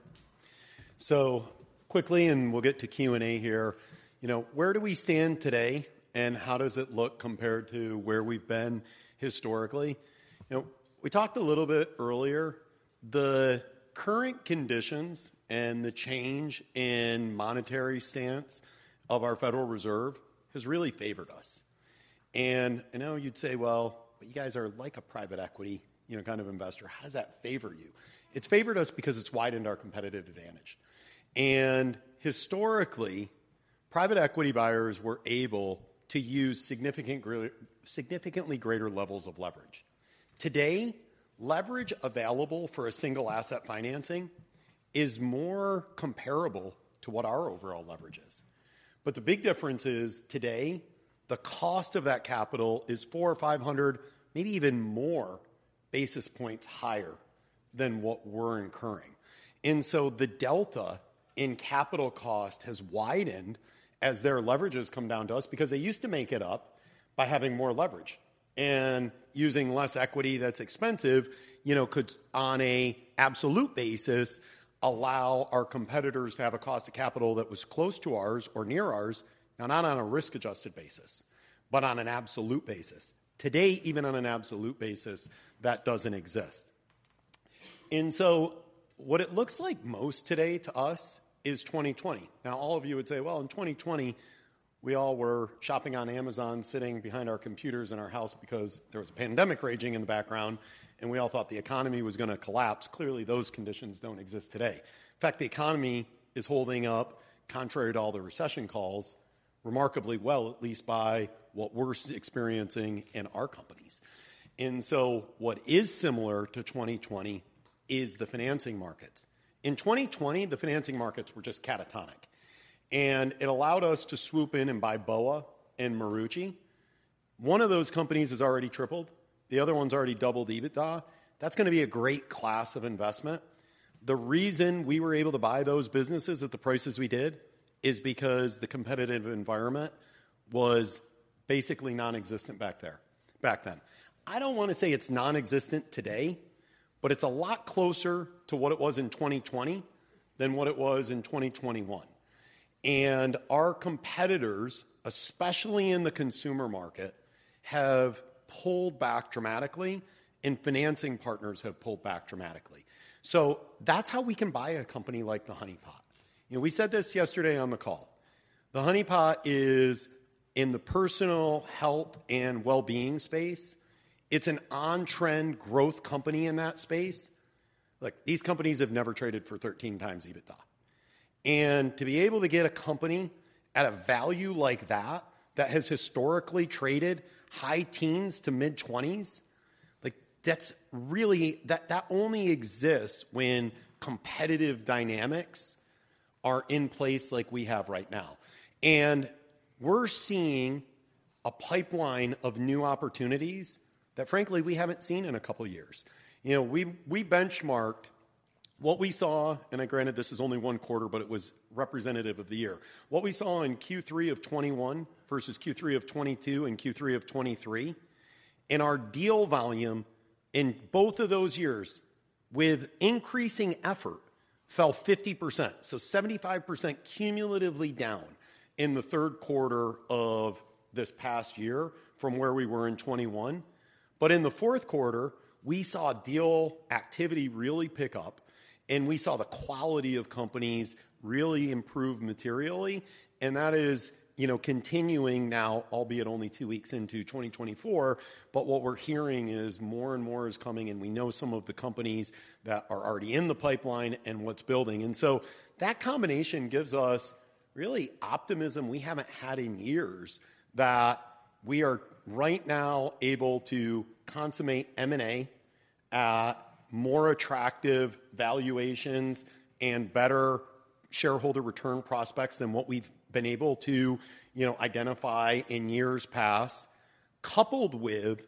So quickly, and we'll get to Q&A here. You know, where do we stand today, and how does it look compared to where we've been historically? You know, we talked a little bit earlier, the current conditions and the change in monetary stance of our Federal Reserve has really favored us. And I know you'd say, "Well, but you guys are like a private equity, you know, kind of investor. How does that favor you?" It's favored us because it's widened our competitive advantage. And historically, private equity buyers were able to use significantly greater levels of leverage. Today, leverage available for a single-asset financing is more comparable to what our overall leverage is. But the big difference is today, the cost of that capital is 400 or 500, maybe even more basis points higher than what we're incurring. And so the delta in capital cost has widened as their leverage has come down to us because they used to make it up by having more leverage and using less equity that's expensive, you know, could, on an absolute basis, allow our competitors to have a cost of capital that was close to ours or near ours, now not on a risk-adjusted basis, but on an absolute basis. Today, even on an absolute basis, that doesn't exist. And so what it looks like most today to us is 2020. Now, all of you would say, "Well, in 2020, we all were shopping on Amazon, sitting behind our computers in our house because there was a pandemic raging in the background, and we all thought the economy was going to collapse." Clearly, those conditions don't exist today. In fact, the economy is holding up, contrary to all the recession calls, remarkably well, at least by what we're experiencing in our companies. So what is similar to 2020 is the financing markets. In 2020, the financing markets were just catatonic, and it allowed us to swoop in and buy BOA and Marucci. One of those companies has already tripled, the other one's already doubled EBITDA. That's going to be a great class of investment. The reason we were able to buy those businesses at the prices we did is because the competitive environment was basically nonexistent back there, back then. I don't want to say it's nonexistent today, but it's a lot closer to what it was in 2020 than what it was in 2021. Our competitors, especially in the consumer market, have pulled back dramatically, and financing partners have pulled back dramatically. So that's how we can buy a company like the Honey Pot. You know, we said this yesterday on the call. The Honey Pot is in the personal health and well-being space. It's an on-trend growth company in that space. Look, these companies have never traded for 13x EBITDA. And to be able to get a company at a value like that, that has historically traded high teens to mid-twenties, like, that's really... That, that only exists when competitive dynamics are in place like we have right now. And we're seeing a pipeline of new opportunities that frankly, we haven't seen in a couple of years. You know, we, we benchmarked what we saw, and granted, this is only one quarter, but it was representative of the year. What we saw in Q3 of 2021 versus Q3 of 2022 and Q3 of 2023, and our deal volume in both of those years, with increasing effort, fell 50%, so 75% cumulatively down in the third quarter of this past year from where we were in 2021. But in the fourth quarter, we saw deal activity really pick up, and we saw the quality of companies really improve materially, and that is, you know, continuing now, albeit only two weeks into 2024. But what we're hearing is more and more is coming, and we know some of the companies that are already in the pipeline and what's building. And so that combination gives us really optimism we haven't had in years, that we are right now able to consummate M&A-... More attractive valuations and better shareholder return prospects than what we've been able to, you know, identify in years past, coupled with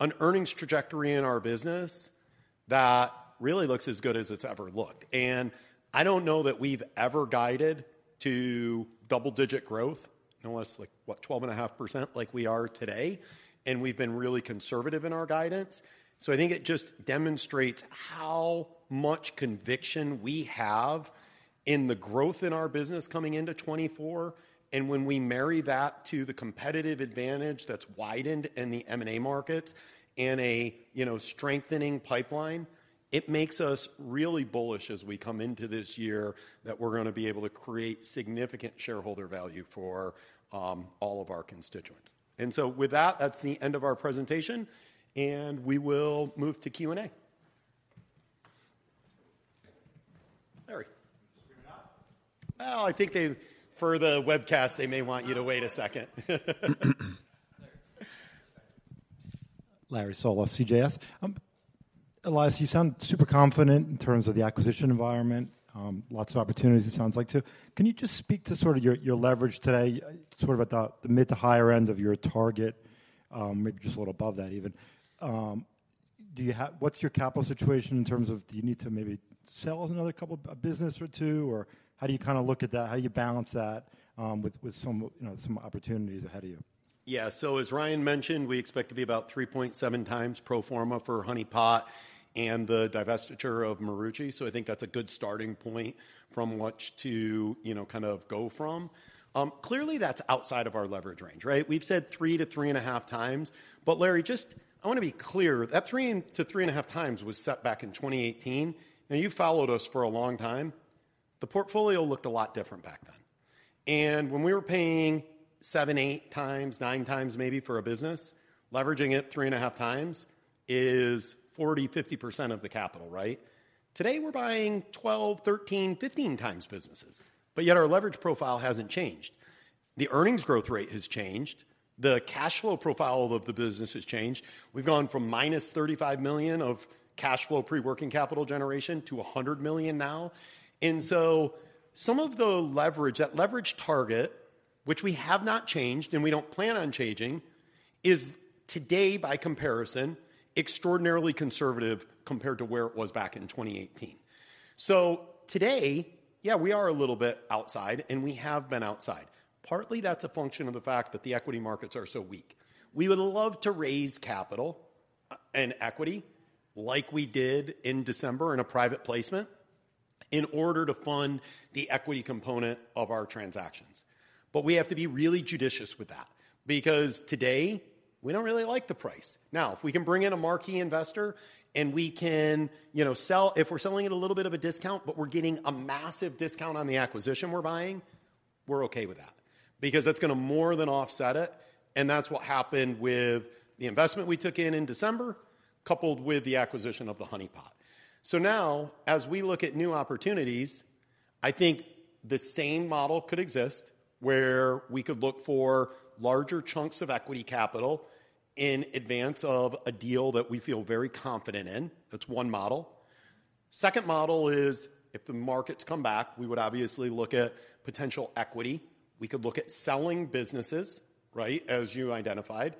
an earnings trajectory in our business that really looks as good as it's ever looked. And I don't know that we've ever guided to double-digit growth, unless like what, 12.5% like we are today, and we've been really conservative in our guidance. So I think it just demonstrates how much conviction we have in the growth in our business coming into 2024, and when we marry that to the competitive advantage that's widened in the M&A markets in a, you know, strengthening pipeline, it makes us really bullish as we come into this year that we're gonna be able to create significant shareholder value for all of our constituents. And so with that, that's the end of our presentation, and we will move to Q&A. Larry. Straighten up? Well, I think they-- for the webcast, they may want you to wait a second. Larry Solow, CJS. Elias, you sound super confident in terms of the acquisition environment. Lots of opportunities, it sounds like, too. Can you just speak to sort of your, your leverage today, sort of at the mid to higher end of your target, maybe just a little above that even? Do you have-- what's your capital situation in terms of do you need to maybe sell another couple of, a business or two? Or how do you kinda look at that? How do you balance that with some, you know, some opportunities ahead of you? Yeah. So as Ryan mentioned, we expect to be about 3.7x pro forma for Honey Pot and the divestiture of Marucci. So I think that's a good starting point from which to, you know, kind of go from. Clearly, that's outside of our leverage range, right? We've said 3x-3.5x. But Larry, just... I wanna be clear, that 3x-3.5x was set back in 2018. Now, you've followed us for a long time. The portfolio looked a lot different back then. And when we were paying 7x, 8x, 9x maybe for a business, leveraging it 3.5x is 40%, 50% of the capital, right? Today, we're buying 12x, 13x, 15x businesses, but yet our leverage profile hasn't changed. The earnings growth rate has changed. The cash flow profile of the business has changed. We've gone from -$35 million of cash flow pre-working capital generation to $100 million now. And so some of the leverage, that leverage target, which we have not changed and we don't plan on changing, is today, by comparison, extraordinarily conservative compared to where it was back in 2018. So today, yeah, we are a little bit outside, and we have been outside. Partly that's a function of the fact that the equity markets are so weak. We would love to raise capital and equity like we did in December in a private placement, in order to fund the equity component of our transactions. But we have to be really judicious with that because today, we don't really like the price. Now, if we can bring in a marquee investor and we can, you know, sell—if we're selling at a little bit of a discount, but we're getting a massive discount on the acquisition we're buying, we're okay with that because that's gonna more than offset it, and that's what happened with the investment we took in in December, coupled with the acquisition of the Honey Pot. So now, as we look at new opportunities, I think the same model could exist, where we could look for larger chunks of equity capital in advance of a deal that we feel very confident in. That's one model. Second model is if the markets come back, we would obviously look at potential equity. We could look at selling businesses, right? As you identified.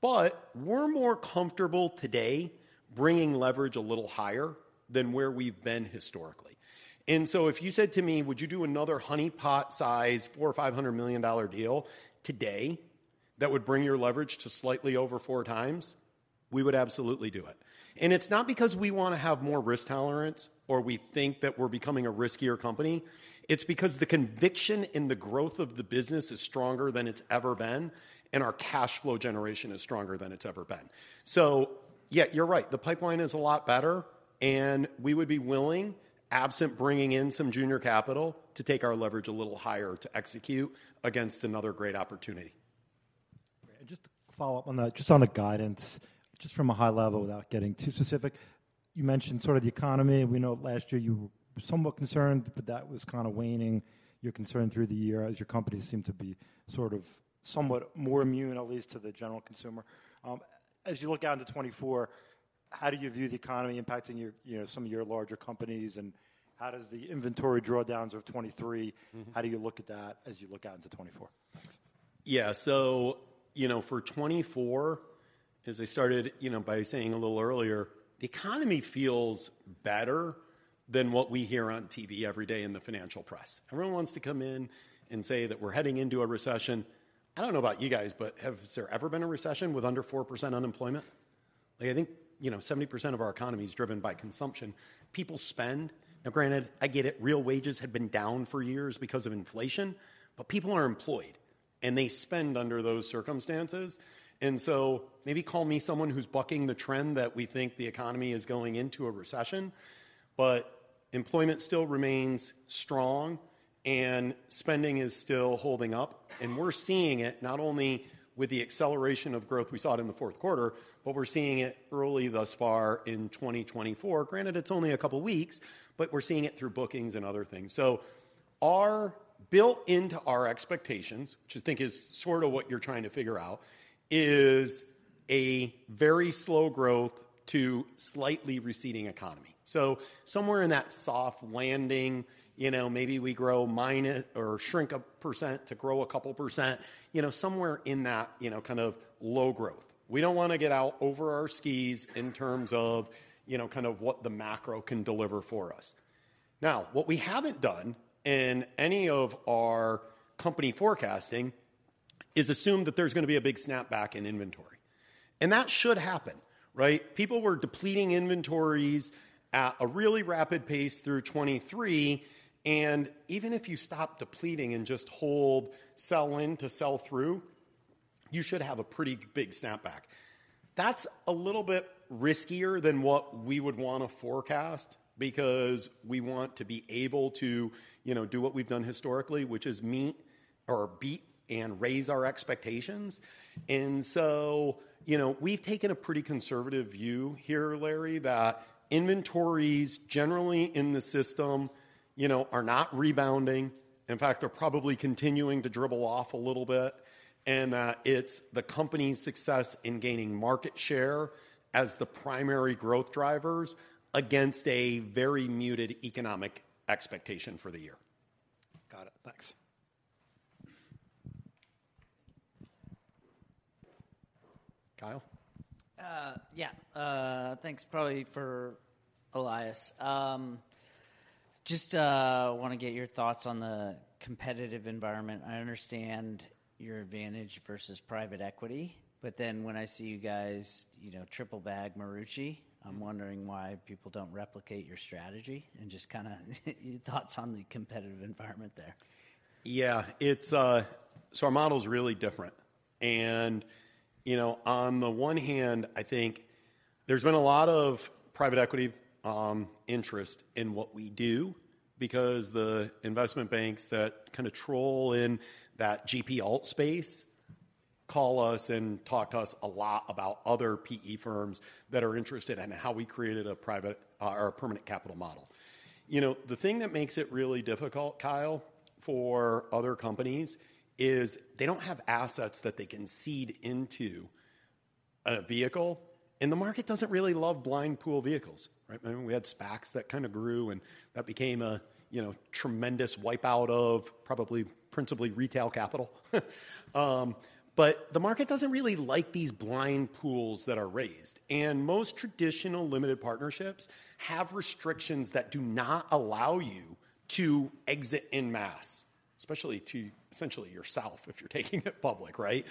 But we're more comfortable today bringing leverage a little higher than where we've been historically. So if you said to me, "Would you do another Honey Pot-size, $400 million or $500 million deal today that would bring your leverage to slightly over 4x?" We would absolutely do it. And it's not because we wanna have more risk tolerance or we think that we're becoming a riskier company. It's because the conviction in the growth of the business is stronger than it's ever been, and our cash flow generation is stronger than it's ever been. So yeah, you're right, the pipeline is a lot better, and we would be willing, absent bringing in some junior capital, to take our leverage a little higher to execute against another great opportunity. Great. And just to follow up on that, just on the guidance, just from a high level, without getting too specific, you mentioned sort of the economy. We know last year you were somewhat concerned, but that was kind of waning your concern through the year as your companies seem to be sort of somewhat more immune, at least to the general consumer. As you look out into 2024, how do you view the economy impacting your, you know, some of your larger companies, and how does the inventory drawdowns of 2023- Mm-hmm. How do you look at that as you look out into 2024? Thanks. Yeah. So, you know, for 2024, as I started, you know, by saying a little earlier, the economy feels better than what we hear on TV every day in the financial press. Everyone wants to come in and say that we're heading into a recession. I don't know about you guys, but has there ever been a recession with under 4% unemployment? Like, I think, you know, 70% of our economy is driven by consumption. People spend. Now, granted, I get it, real wages have been down for years because of inflation, but people are employed, and they spend under those circumstances. And so maybe call me someone who's bucking the trend that we think the economy is going into a recession, but employment still remains strong and spending is still holding up. And we're seeing it not only with the acceleration of growth we saw it in the fourth quarter, but we're seeing it early thus far in 2024. Granted, it's only a couple of weeks, but we're seeing it through bookings and other things. Our built into our expectations, which I think is sort of what you're trying to figure out, is a very slow growth to slightly receding economy. So somewhere in that soft landing, you know, maybe we grow -1% or shrink 1% to grow 2%, you know, somewhere in that, you know, kind of low growth. We don't want to get out over our skis in terms of, you know, kind of what the macro can deliver for us. Now, what we haven't done in any of our company forecasting is assume that there's going to be a big snapback in inventory. That should happen, right? People were depleting inventories at a really rapid pace through 2023, and even if you stop depleting and just hold sell in to sell through, you should have a pretty big snapback. That's a little bit riskier than what we would want to forecast because we want to be able to, you know, do what we've done historically, which is meet or beat and raise our expectations. And so, you know, we've taken a pretty conservative view here, Larry, that inventories generally in the system, you know, are not rebounding. In fact, they're probably continuing to dribble off a little bit, and it's the company's success in gaining market share as the primary growth drivers against a very muted economic expectation for the year. Got it. Thanks. Kyle? Yeah, thanks, probably for Elias. Just want to get your thoughts on the competitive environment. I understand your advantage versus private equity, but then when I see you guys, you know, triple bag Marucci, I'm wondering why people don't replicate your strategy and just kinda your thoughts on the competitive environment there. Yeah, it's so our model is really different. And, you know, on the one hand, I think there's been a lot of private equity interest in what we do because the investment banks that kind of troll in that GP alt space call us and talk to us a lot about other PE firms that are interested in how we created a private or a permanent capital model. You know, the thing that makes it really difficult, Kyle, for other companies is they don't have assets that they can seed into a vehicle, and the market doesn't really love blind pool vehicles, right? I mean, we had SPACs that kind of grew, and that became a, you know, tremendous wipeout of probably principally retail capital. But the market doesn't really like these blind pools that are raised, and most traditional limited partnerships have restrictions that do not allow you to exit en masse, especially to essentially yourself if you're taking it public, right?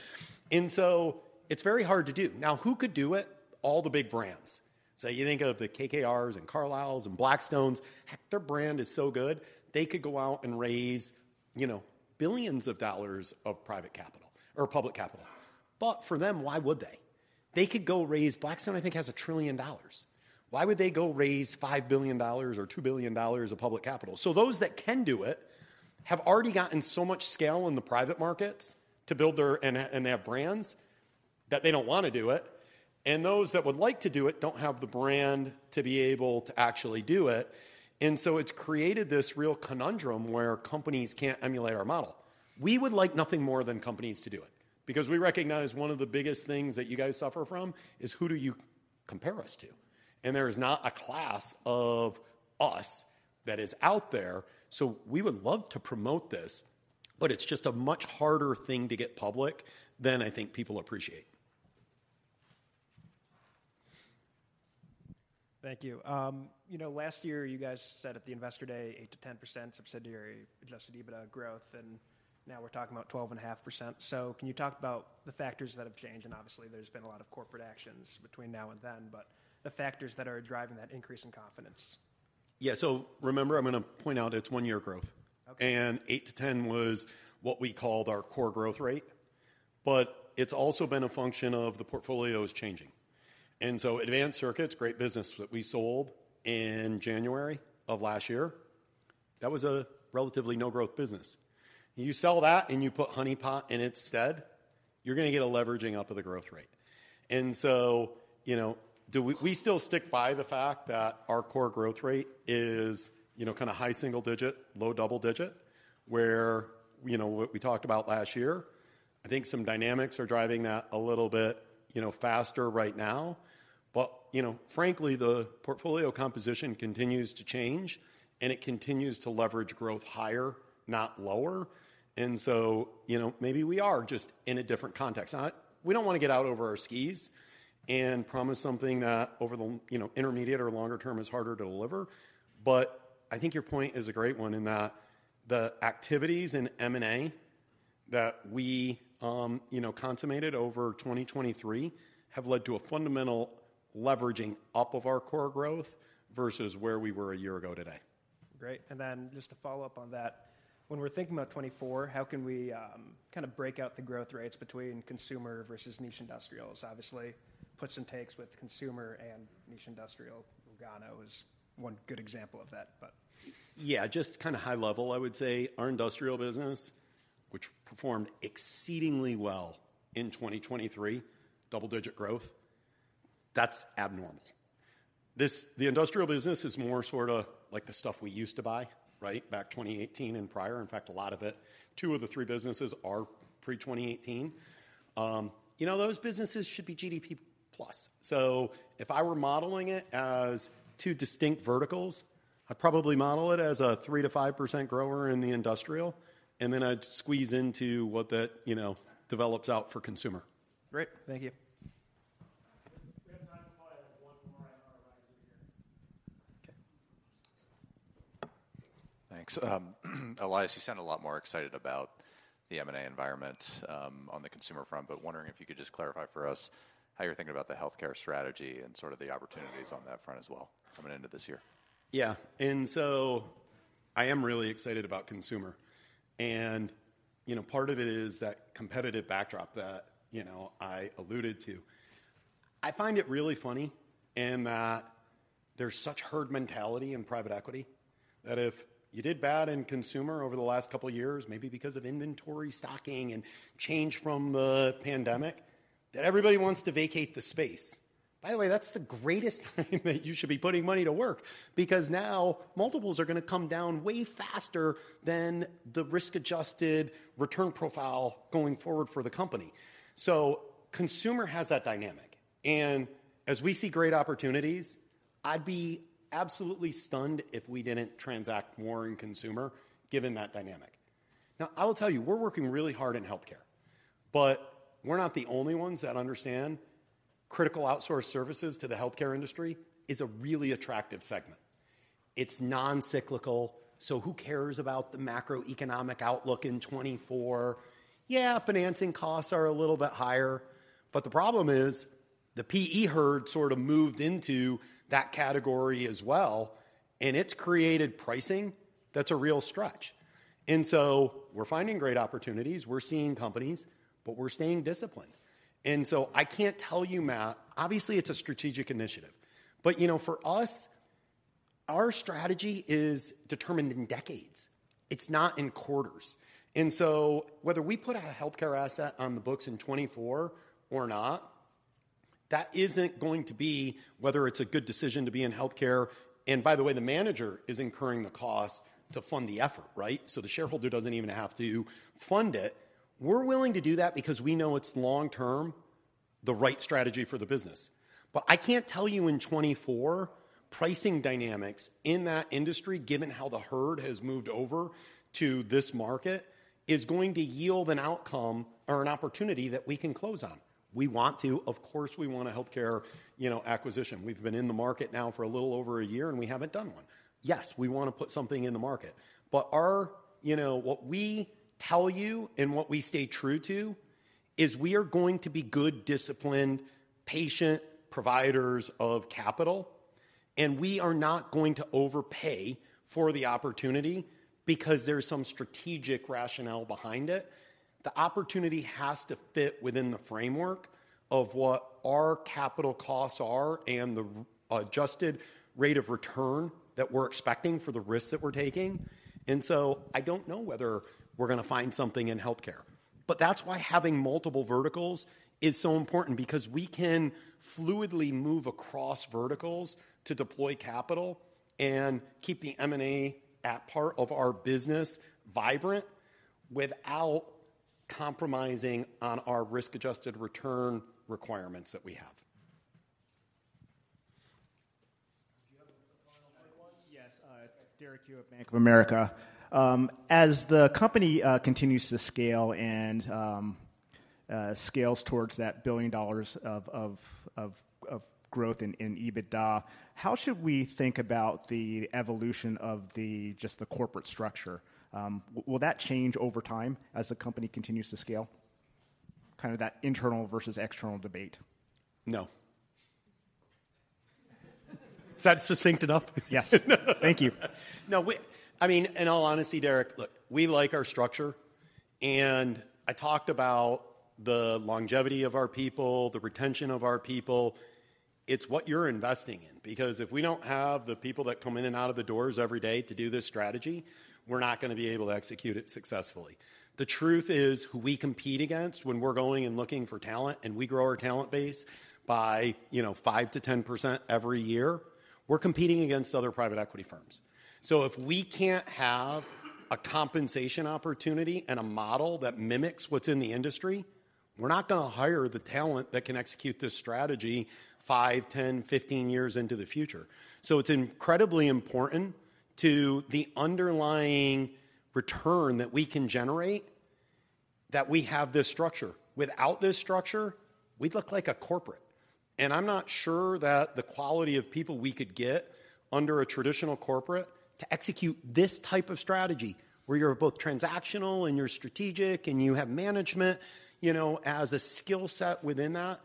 And so it's very hard to do. Now, who could do it? All the big brands. So you think of the KKR and Carlyles and Blackstones, heck, their brand is so good, they could go out and raise, you know, billions of dollars of private capital or public capital. But for them, why would they? They could go raise... Blackstone, I think, has $1 trillion. Why would they go raise $5 billion or $2 billion of public capital? So those that can do it have already gotten so much scale in the private markets to build their... And they have brands that they don't want to do it, and those that would like to do it don't have the brand to be able to actually do it. So it's created this real conundrum where companies can't emulate our model. We would like nothing more than companies to do it because we recognize one of the biggest things that you guys suffer from is: Who do you compare us to? There is not a class of us that is out there, so we would love to promote this, but it's just a much harder thing to get public than I think people appreciate. Thank you. You know, last year, you guys said at the Investor Day, 8%-10% subsidiary adjusted EBITDA growth, and now we're talking about 12.5%. So can you talk about the factors that have changed? And obviously, there's been a lot of corporate actions between now and then, but the factors that are driving that increase in confidence. Yeah. So remember, I'm going to point out it's one-year growth. Okay. Eight-10 was what we called our core growth rate, but it's also been a function of the portfolio is changing. Advanced Circuits, great business that we sold in January of last year, that was a relatively no-growth business. You sell that, and you put Honey Pot in its stead, you're going to get a leveraging up of the growth rate. You know, do we- we still stick by the fact that our core growth rate is, you know, kind of high single digit, low double digit, where, you know, what we talked about last year. I think some dynamics are driving that a little bit, you know, faster right now. But, you know, frankly, the portfolio composition continues to change, and it continues to leverage growth higher, not lower. You know, maybe we are just in a different context. We don't want to get out over our skis and promise something that over the, you know, intermediate or longer term is harder to deliver. But I think your point is a great one in that the activities in M&A that we, you know, consummated over 2023 have led to a fundamental leveraging up of our core growth versus where we were a year ago today. Great. And then just to follow up on that, when we're thinking about 2024, how can we kind of break out the growth rates between consumer versus niche industrials? Obviously, puts and takes with consumer and niche industrial, Lugano is one good example of that, but. Yeah, just kind of high level, I would say our industrial business, which performed exceedingly well in 2023, double-digit growth. That's abnormal. This, the industrial business is more sort of like the stuff we used to buy, right? Back 2018 and prior. In fact, a lot of it, two of the three businesses are pre-2018. You know, those businesses should be GDP plus. So if I were modeling it as two distinct verticals, I'd probably model it as a 3%-5% grower in the industrial, and then I'd squeeze into what that, you know, develops out for consumer. Great, thank you. We have time for probably like one more on our line here. Okay. Thanks. Elias, you sound a lot more excited about the M&A environment, on the consumer front, but wondering if you could just clarify for us how you're thinking about the healthcare strategy and sort of the opportunities on that front as well coming into this year? Yeah. And so I am really excited about consumer, and, you know, part of it is that competitive backdrop that, you know, I alluded to. I find it really funny in that there's such herd mentality in private equity, that if you did bad in consumer over the last couple of years, maybe because of inventory stocking and change from the pandemic, that everybody wants to vacate the space. By the way, that's the greatest time that you should be putting money to work, because now multiples are gonna come down way faster than the risk-adjusted return profile going forward for the company. So consumer has that dynamic, and as we see great opportunities, I'd be absolutely stunned if we didn't transact more in consumer, given that dynamic. Now, I will tell you, we're working really hard in healthcare, but we're not the only ones that understand critical outsourced services to the healthcare industry is a really attractive segment. It's non-cyclical, so who cares about the macroeconomic outlook in 2024? Yeah, financing costs are a little bit higher, but the problem is, the PE herd sort of moved into that category as well, and it's created pricing that's a real stretch. And so we're finding great opportunities. We're seeing companies, but we're staying disciplined. And so I can't tell you, Matt... Obviously, it's a strategic initiative, but you know, for us, our strategy is determined in decades. It's not in quarters. And so whether we put a healthcare asset on the books in 2024 or not, that isn't going to be whether it's a good decision to be in healthcare. And by the way, the manager is incurring the cost to fund the effort, right? So the shareholder doesn't even have to fund it. We're willing to do that because we know it's long-term, the right strategy for the business. But I can't tell you in 2024, pricing dynamics in that industry, given how the herd has moved over to this market, is going to yield an outcome or an opportunity that we can close on. We want to. Of course, we want a healthcare, you know, acquisition. We've been in the market now for a little over a year, and we haven't done one. Yes, we want to put something in the market, but our—You know, what we tell you and what we stay true to is we are going to be good, disciplined, patient providers of capital, and we are not going to overpay for the opportunity because there's some strategic rationale behind it. The opportunity has to fit within the framework of what our capital costs are and the risk-adjusted rate of return that we're expecting for the risks that we're taking. And so I don't know whether we're gonna find something in healthcare, but that's why having multiple verticals is so important, because we can fluidly move across verticals to deploy capital and keep the M&A at part of our business vibrant without compromising on our risk-adjusted return requirements that we have. Do you have a final one? Yes. Derek Yoo of Bank of America. As the company continues to scale and scales towards that $1 billion of growth in EBITDA, how should we think about the evolution of just the corporate structure? Will that change over time as the company continues to scale? Kind of that internal versus external debate. No. Is that succinct enough? Yes. Thank you. No, we-- I mean, in all honesty, Derek, look, we like our structure, and I talked about the longevity of our people, the retention of our people. It's what you're investing in, because if we don't have the people that come in and out of the doors every day to do this strategy, we're not gonna be able to execute it successfully. The truth is, who we compete against when we're going and looking for talent, and we grow our talent base by, you know, 5%-10% every year, we're competing against other private equity firms. So if we can't have a compensation opportunity and a model that mimics what's in the industry, we're not gonna hire the talent that can execute this strategy five, 10, 15 years into the future. So it's incredibly important to the underlying return that we can generate, that we have this structure. Without this structure, we'd look like a corporate, and I'm not sure that the quality of people we could get under a traditional corporate to execute this type of strategy, where you're both transactional and you're strategic and you have management, you know, as a skill set within that,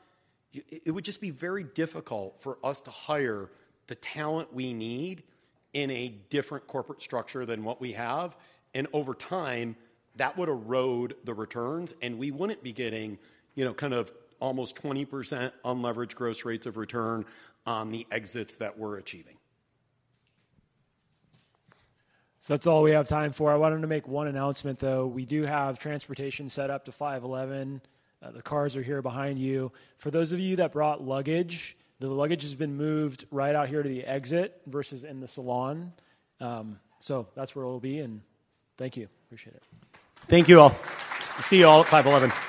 it would just be very difficult for us to hire the talent we need in a different corporate structure than what we have. And over time, that would erode the returns, and we wouldn't be getting, you know, kind of almost 20% unleveraged gross rates of return on the exits that we're achieving. So that's all we have time for. I wanted to make one announcement, though. We do have transportation set up to 5.11. The cars are here behind you. For those of you that brought luggage, the luggage has been moved right out here to the exit versus in the salon. So that's where it'll be, and thank you. Appreciate it. Thank you all. See you all at 5.11.